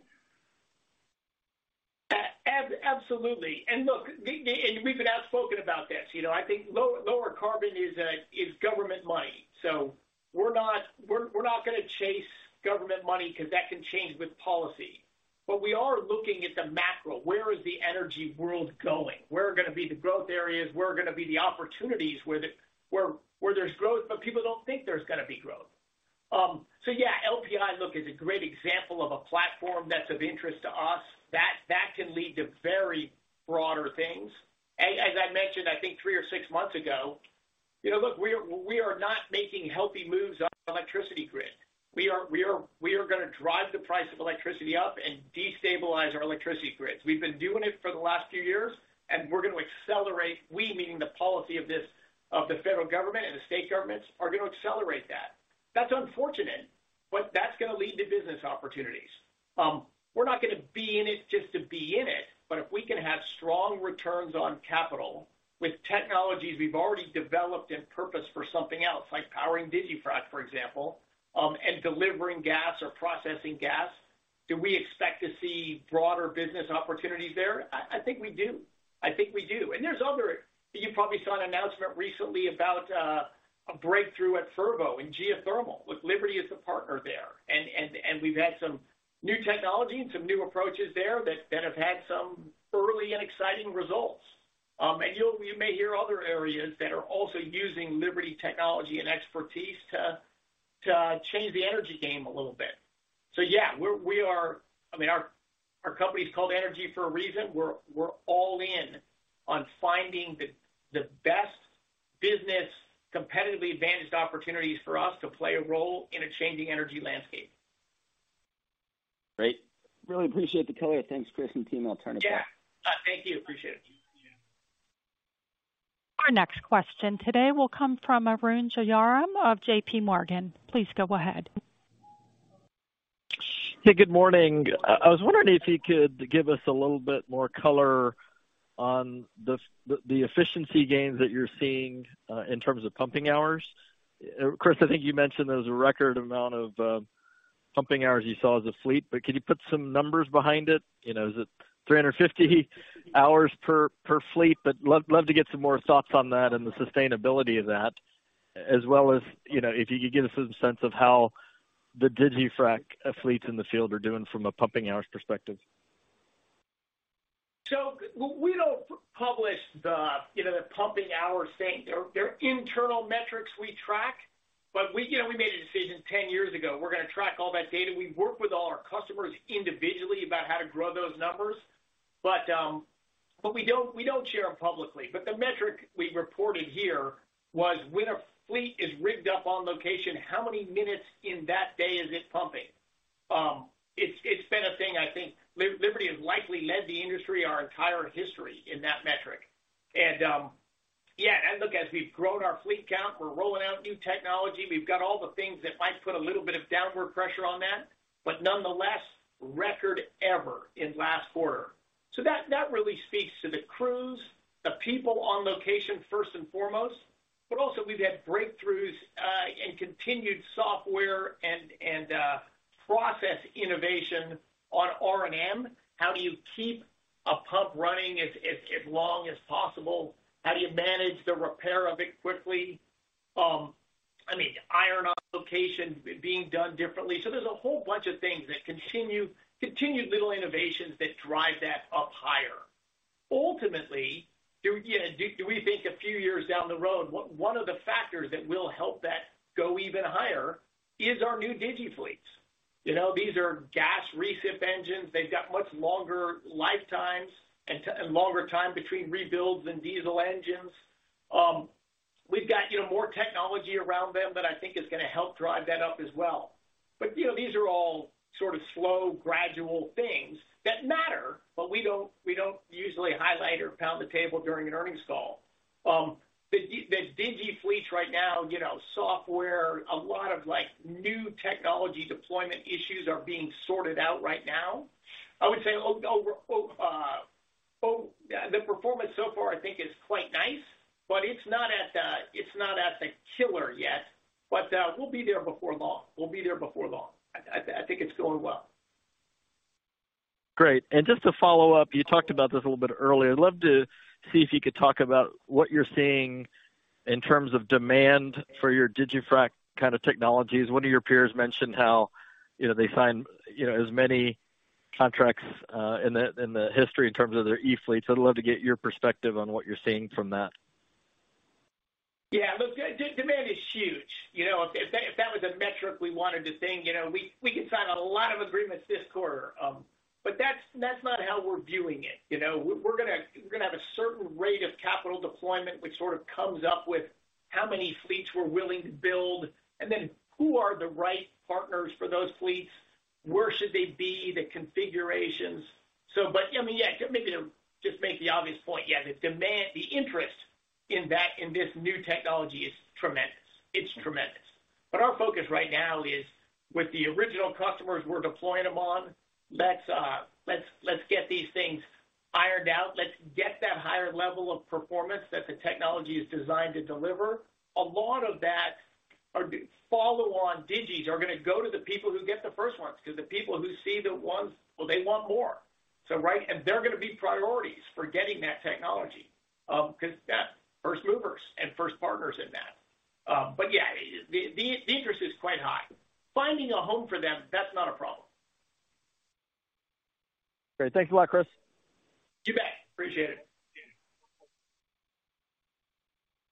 C: absolutely. Look, and we've been outspoken about this. You know, I think lower carbon is government money, so we're not gonna chase government money because that can change with policy. We are looking at the macro. Where is the energy world going? Where are gonna be the growth areas? Where are gonna be the opportunities, where there's growth, but people don't think there's gonna be growth? Yeah, LPI, look, is a great example of a platform that's of interest to us, that can lead to very broader things. As I mentioned, I think three or six months ago, you know, look, we are not making healthy moves on electricity grid. We are gonna drive the price of electricity up and destabilize our electricity grids. We've been doing it for the last few years, we're gonna accelerate. We, meaning the policy of this, of the federal government and the state governments, are gonna accelerate that. That's unfortunate. That's gonna lead to business opportunities. We're not gonna be in it just to be in it, but if we can have strong returns on capital with technologies we've already developed and purposed for something else, like powering digiFrac, for example, and delivering gas or processing gas, do we expect to see broader business opportunities there? I think we do. I think we do. There's other. You probably saw an announcement recently about a breakthrough at Fervo in geothermal, with Liberty as a partner there. We've had some new technology and some new approaches there that have had some early and exciting results. You'll, you may hear other areas that are also using Liberty technology and expertise to change the energy game a little bit. Yeah, we're, we are. I mean, our company is called Energy for a reason. We're all in on finding the best business competitively advantaged opportunities for us to play a role in a changing energy landscape.
O: Great. Really appreciate the color. Thanks, Chris and team Alternative.
C: Yeah. Thank you. Appreciate it.
A: Our next question today will come from Arun Jayaram of JPMorgan. Please go ahead.
P: Hey, good morning. I was wondering if you could give us a little bit more color on the efficiency gains that you're seeing in terms of pumping hours. Chris, I think you mentioned there was a record amount of pumping hours you saw as a fleet, but could you put some numbers behind it? You know, is it 350 hours per fleet? Love to get some more thoughts on that and the sustainability of that, as well as, you know, if you could give us a sense of how the digiFrac fleets in the field are doing from a pumping hours perspective.
C: We don't publish the, you know, the pumping hours thing. They're internal metrics we track, but we, you know, we made a decision 10 years ago, we're gonna track all that data. We work with all our customers individually about how to grow those numbers, but we don't share them publicly. The metric we reported here was when a fleet is rigged up on location, how many minutes in that day is it pumping? It's been a thing, I think, Liberty has likely led the industry our entire history in that metric. Yeah, look, as we've grown our fleet count, we're rolling out new technology. We've got all the things that might put a little bit of downward pressure on that, but nonetheless, record ever in last quarter. That really speaks to the crews, the people on location, first and foremost, but also we've had breakthroughs and continued software and process innovation on R&M. How do you keep a pump running as long as possible? How do you manage the repair of it quickly? I mean, iron on location being done differently. There's a whole bunch of things that continued little innovations that drive that up higher. Ultimately, you, yeah, do we think a few years down the road, one of the factors that will help that go even higher is our new digiFleets. You know, these are gas recip engines. They've got much longer lifetimes and longer time between rebuilds than diesel engines. We've got, you know, more technology around them that I think is gonna help drive that up as well. You know, these are all sort of slow, gradual things that matter, but we don't usually highlight or pound the table during an earnings call. The digiFleets right now, you know, software, a lot of, like, new technology deployment issues are being sorted out right now. I would say over the performance so far, I think, is quite nice, but it's not at the killer yet, but we'll be there before long. We'll be there before long. I think it's going well.
P: Great. Just to follow up, you talked about this a little bit earlier. I'd love to see if you could talk about what you're seeing in terms of demand for your digiFrac kind of technologies. One of your peers mentioned how, you know, they signed as many contracts in the history in terms of their e-fleets. So I'd love to get your perspective on what you're seeing from that.
C: Yeah, look, demand is huge. You know, if that, if that was a metric we wanted to think, you know, we could sign a lot of agreements this quarter, but that's not how we're viewing it. You know, we're gonna, we're gonna have a certain rate of capital deployment, which sort of comes up with how many fleets we're willing to build, and then who are the right partners for those fleets? Where should they be, the configurations? But, I mean, yeah, maybe to just make the obvious point, yeah, the demand, the interest in this new technology is tremendous. It's tremendous. Our focus right now is with the original customers we're deploying them on, let's get these things ironed out. Let's get that higher level of performance that the technology is designed to deliver. A lot of that are follow on digis are gonna go to the people who get the first ones, because the people who see the ones, well, they want more. Right. They're gonna be priorities for getting that technology, because, yeah, first movers and first partners in that. Yeah, the interest is quite high. Finding a home for them, that's not a problem.
P: Great. Thank you a lot, Chris.
C: You bet. Appreciate it.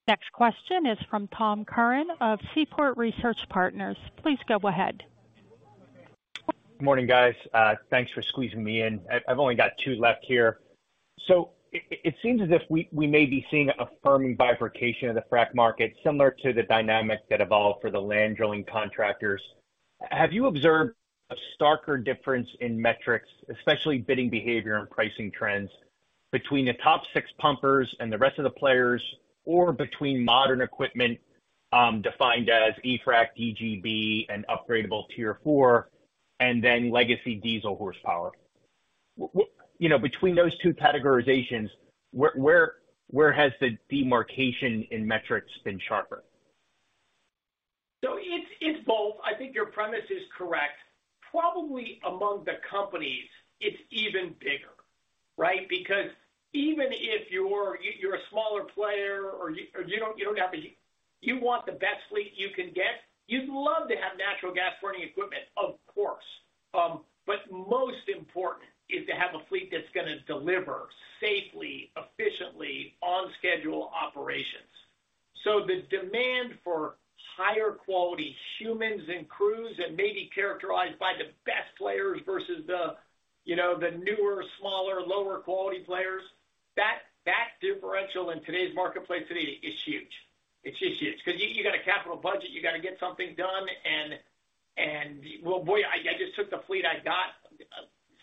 A: Next question is from Tom Curran of Seaport Research Partners. Please go ahead.
O: Morning, guys. thanks for squeezing me in. I've only got two left here. It seems as if we may be seeing a firm bifurcation of the frac market, similar to the dynamic that evolved for the land drilling contractors. Have you observed a starker difference in metrics, especially bidding behavior and pricing trends between the top six pumpers and the rest of the players, or between modern equipment, defined as e-frac, DGB, and upgradable Tier 4, and then legacy diesel horsepower? you know, between those two categorizations, where has the demarcation in metrics been sharper?
C: It's both. I think your premise is correct. Probably among the companies, it's even bigger, right? Because even if you're a smaller player or you don't have, you want the best fleet you can get. You'd love to have natural gas burning equipment, of course, but most important is to have a fleet that's gonna deliver safely, efficiently, on schedule operations. The demand for higher quality humans and crews that may be characterized by the best players versus the, you know, the newer, smaller, lower quality players, that differential in today's marketplace today is huge. It's just huge. 'Cause you got a capital budget, you got to get something done. Well, boy, I just took the fleet I got,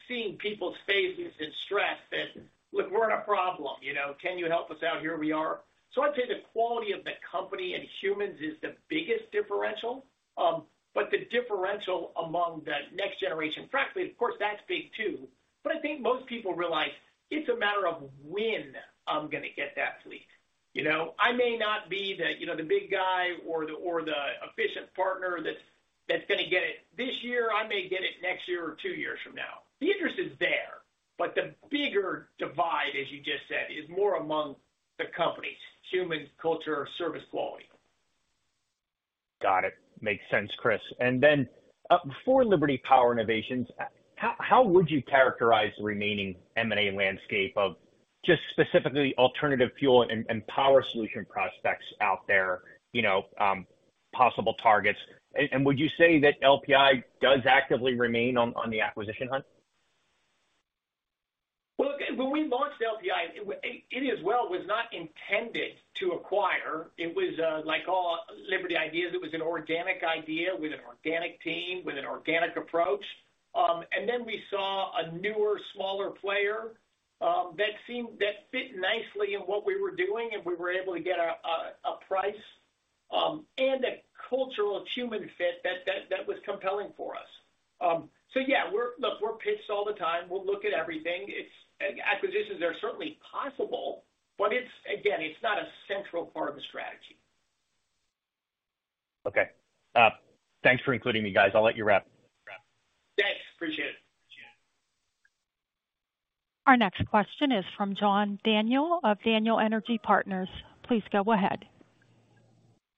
C: seeing people's faces in stress that, "Look, we're in a problem, you know, can you help us out? Here we are." I'd say the quality of the company and humans is the biggest differential, but the differential among the next generation, frankly, of course, that's big, too. I think most people realize it's a matter of when I'm gonna get that fleet. You know, I may not be the, you know, the big guy or the, or the efficient partner that's gonna get it this year. I may get it next year or 2 years from now. The interest is there. The bigger divide, as you just said, is more among the companies, humans, culture, service quality.
O: Got it. Makes sense, Chris. Then, for Liberty Power Innovations, how would you characterize the remaining M&A landscape of just specifically alternative fuel and power solution prospects out there, you know, possible targets? Would you say that LPI does actively remain on the acquisition hunt?
C: Well, when we launched LPI, it as well, was not intended to acquire. It was, like all Liberty ideas, it was an organic idea with an organic team, with an organic approach. Then we saw a newer, smaller player, that fit nicely in what we were doing, and we were able to get a price, and a cultural human fit that was compelling for us. Yeah, we're look, we're pitched all the time. We'll look at everything. It's. Acquisitions are certainly possible, but it's, again, it's not a central part of the strategy.
O: Okay. Thanks for including me, guys. I'll let you wrap.
C: Thanks. Appreciate it.
A: Our next question is from John Daniel of Daniel Energy Partners. Please go ahead.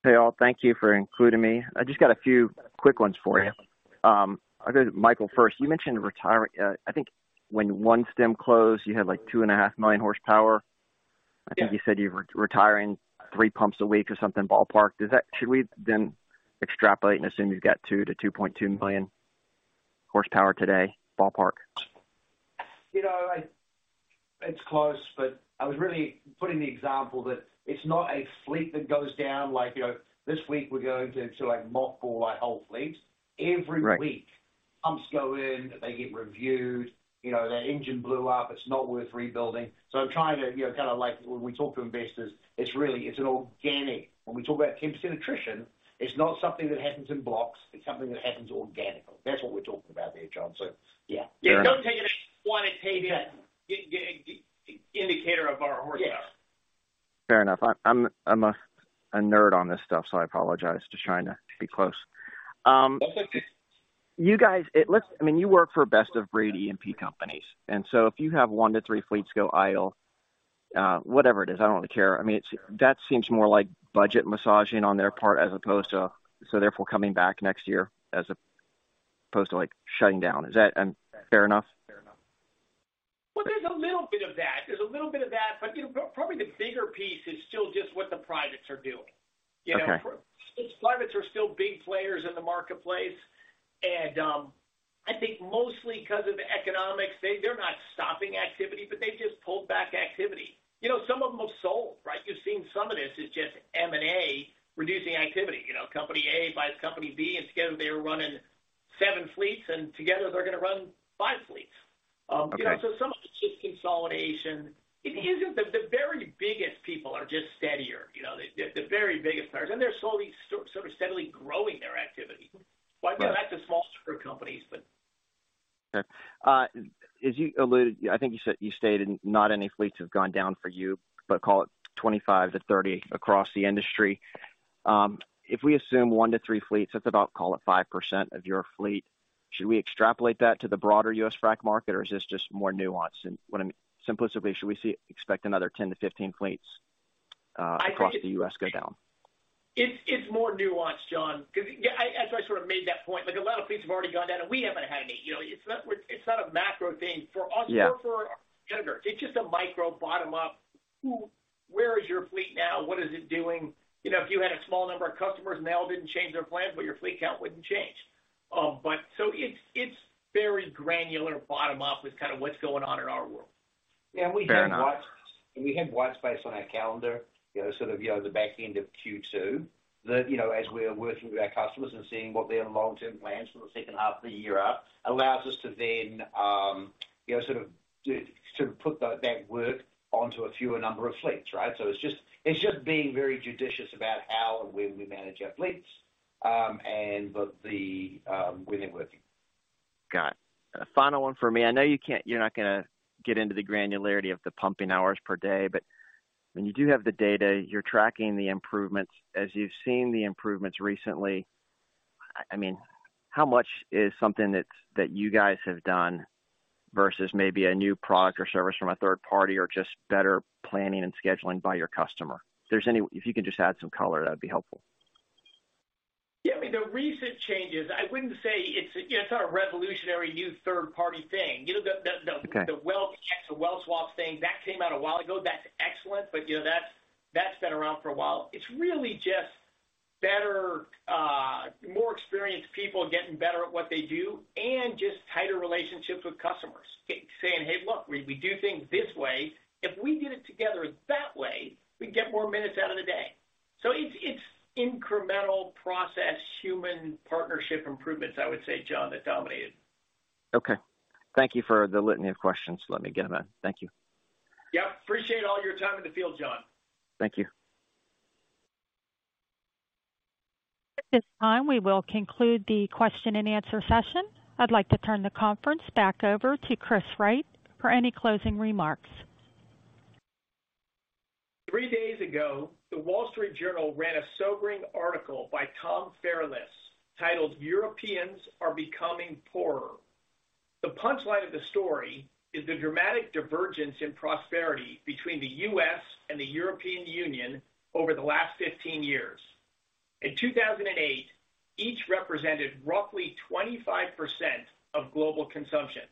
Q: Hey, all. Thank you for including me. I just got a few quick ones for you. I'll go to Michael first. You mentioned, I think when OneStim closed, you had, like, 2.5 million horsepower.
D: Yeah.
Q: I think you said you were retiring three pumps a week or something, ballpark. Should we then extrapolate and assume you've got 2 million horsepower-2.2 million horsepower today, ballpark?
D: You know, it's close, but I was really putting the example that it's not a fleet that goes down like, you know, this week we're going to, like, mothball our whole fleets.
Q: Right.
D: Every week, pumps go in, they get reviewed, you know, their engine blew up, it's not worth rebuilding. I'm trying to, you know, kind of like when we talk to investors, it's really, it's an organic. When we talk about 10% attrition, it's not something that happens in blocks, it's something that happens organically. That's what we're talking about there, John. Yeah.
C: It doesn't take any quantitative indicator of our horsepower.
Q: Fair enough. I'm a nerd on this stuff, so I apologize. Just trying to be close.
D: That's okay.
Q: You guys, it looks... I mean, you work for best of breed E&P companies. If you have one to three fleets go idle, whatever it is, I don't really care. I mean, that seems more like budget massaging on their part as opposed to coming back next year as opposed to, like, shutting down. Is that fair enough?
C: Well, there's a little bit of that. There's a little bit of that, but, you know, probably the bigger piece is still just what the privates are doing.
Q: Okay.
C: You know, privates are still big players in the marketplace, and I think mostly because of economics, they're not stopping activity, but they've just pulled back activity. You know, some of them have sold, right? You've seen some of this. It's just M&A reducing activity. You know, Company A buys Company B. Together they were running seven fleets. Together they're gonna run five fleets.
Q: Okay.
C: You know, some of it's just consolidation. It isn't the very biggest people are just steadier, you know, the very biggest players, they're slowly, sort of steadily growing their activity.
Q: Right.
C: Well, I mean, that's a smaller group of companies, but.
Q: Okay. As you alluded, I think you said, you stated not any fleets have gone down for you, but call it 25-30 across the industry. If we assume one to three fleets, that's about, call it, 5% of your fleet, should we extrapolate that to the broader U.S. frac market, or is this just more nuance? What I mean, simplistically, should we expect another 10-15 fleets across the U.S. go down?
C: It's more nuanced, John, because, yeah, as I sort of made that point, like, a lot of fleets have already gone down, and we haven't had any. You know, it's not, it's not a macro thing.
Q: Yeah.
C: For us, for our gender, it's just a micro bottom-up. Where is your fleet now? What is it doing? You know, if you had a small number of customers, and they all didn't change their plans, but your fleet count wouldn't change. It's, it's very granular, bottom-up, with kind of what's going on in our world.
Q: Fair enough.
C: we have white space on our calendar, you know, sort of, you know, the back end of Q2, that, you know, as we are working with our customers and seeing what their long-term plans for the second half of the year are, allows us to then, you know, sort of put that work onto a fewer number of fleets, right. It's just being very judicious about how and when we manage our fleets. We've been working.
Q: Got it. Final one for me. I know you can't you're not gonna get into the granularity of the pumping hours per day, but when you do have the data, you're tracking the improvements. As you've seen the improvements recently, I mean, how much is something that you guys have done versus maybe a new product or service from a third party, or just better planning and scheduling by your customer? If there's any, if you could just add some color, that'd be helpful.
C: Yeah, I mean, the recent changes, I wouldn't say it's, you know, it's not a revolutionary new third-party thing.
Q: Okay.
C: the well exchange, the well swap thing, that came out a while ago. That's excellent, but, you know, that's been around for a while. It's really just better, more experienced people getting better at what they do and just tighter relationships with customers. Saying, "Hey, look, we do things this way. If we did it together that way, we'd get more minutes out of the day." It's incremental process, human partnership improvements, I would say, John, that dominate it.
Q: Okay. Thank you for the litany of questions. Let me get them in. Thank you.
C: Yep. Appreciate all your time in the field, John.
Q: Thank you.
A: At this time, we will conclude the question-and-answer session. I'd like to turn the conference back over to Chris Wright for any closing remarks.
C: Three days ago, The Wall Street Journal ran a sobering article by Tom Fairless, titled Europeans Are Becoming Poorer. The punchline of the story is the dramatic divergence in prosperity between the U.S. and the European Union over the last 15 years. In 2008, each represented roughly 25% of global consumption.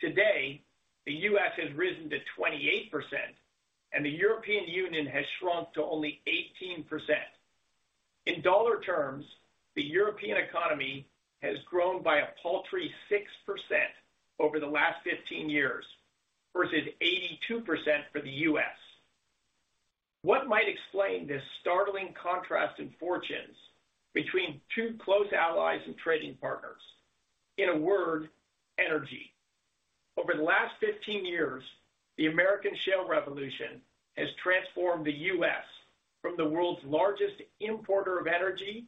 C: Today, the U.S. has risen to 28%, and the European Union has shrunk to only 18%. In dollar terms, the European economy has grown by a paltry 6% over the last 15 years, versus 82% for the U.S. What might explain this startling contrast in fortunes between two close allies and trading partners? In a word, energy. Over the last 15 years, the American Shale Revolution has transformed the U.S. from the world's largest importer of energy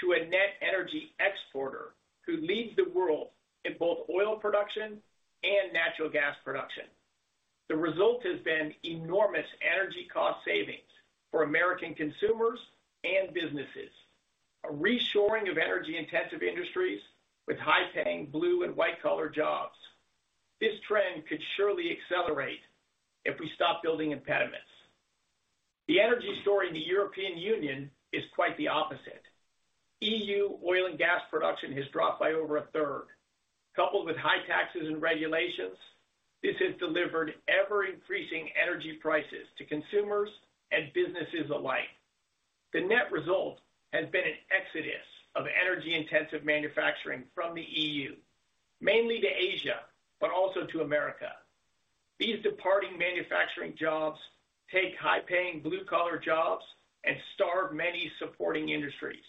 C: to a net energy exporter, who leads the world in both oil production and natural gas production. The result has been enormous energy cost savings for American consumers and businesses, a reshoring of energy-intensive industries with high-paying blue- and white-collar jobs. This trend could surely accelerate if we stop building impediments. The energy story in the European Union is quite the opposite. EU oil and gas production has dropped by over a third. Coupled with high taxes and regulations, this has delivered ever-increasing energy prices to consumers and businesses alike. The net result has been an exodus of energy-intensive manufacturing from the EU, mainly to Asia, but also to America. These departing manufacturing jobs take high-paying blue-collar jobs and starve many supporting industries.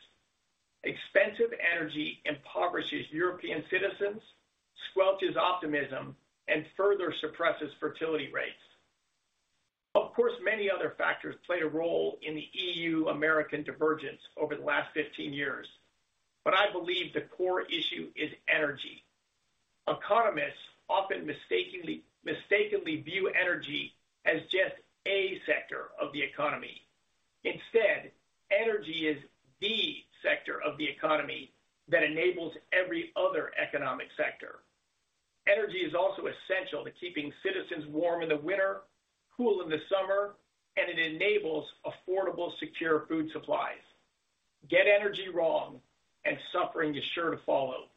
C: Expensive energy impoverishes European citizens, squelches optimism, and further suppresses fertility rates. Of course, many other factors play a role in the EU-American divergence over the last 15 years, but I believe the core issue is energy. Economists often mistakenly view energy as just a sector of the economy. Instead, energy is the sector of the economy that enables every other economic sector. Energy is also essential to keeping citizens warm in the winter, cool in the summer, and it enables affordable, secure food supplies. Get energy wrong, and suffering is sure to follow.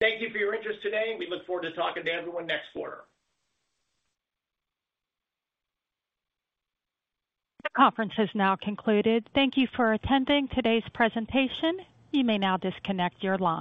C: Thank you for your interest today, and we look forward to talking to everyone next quarter.
A: The conference has now concluded. Thank you for attending today's presentation. You may now disconnect your line.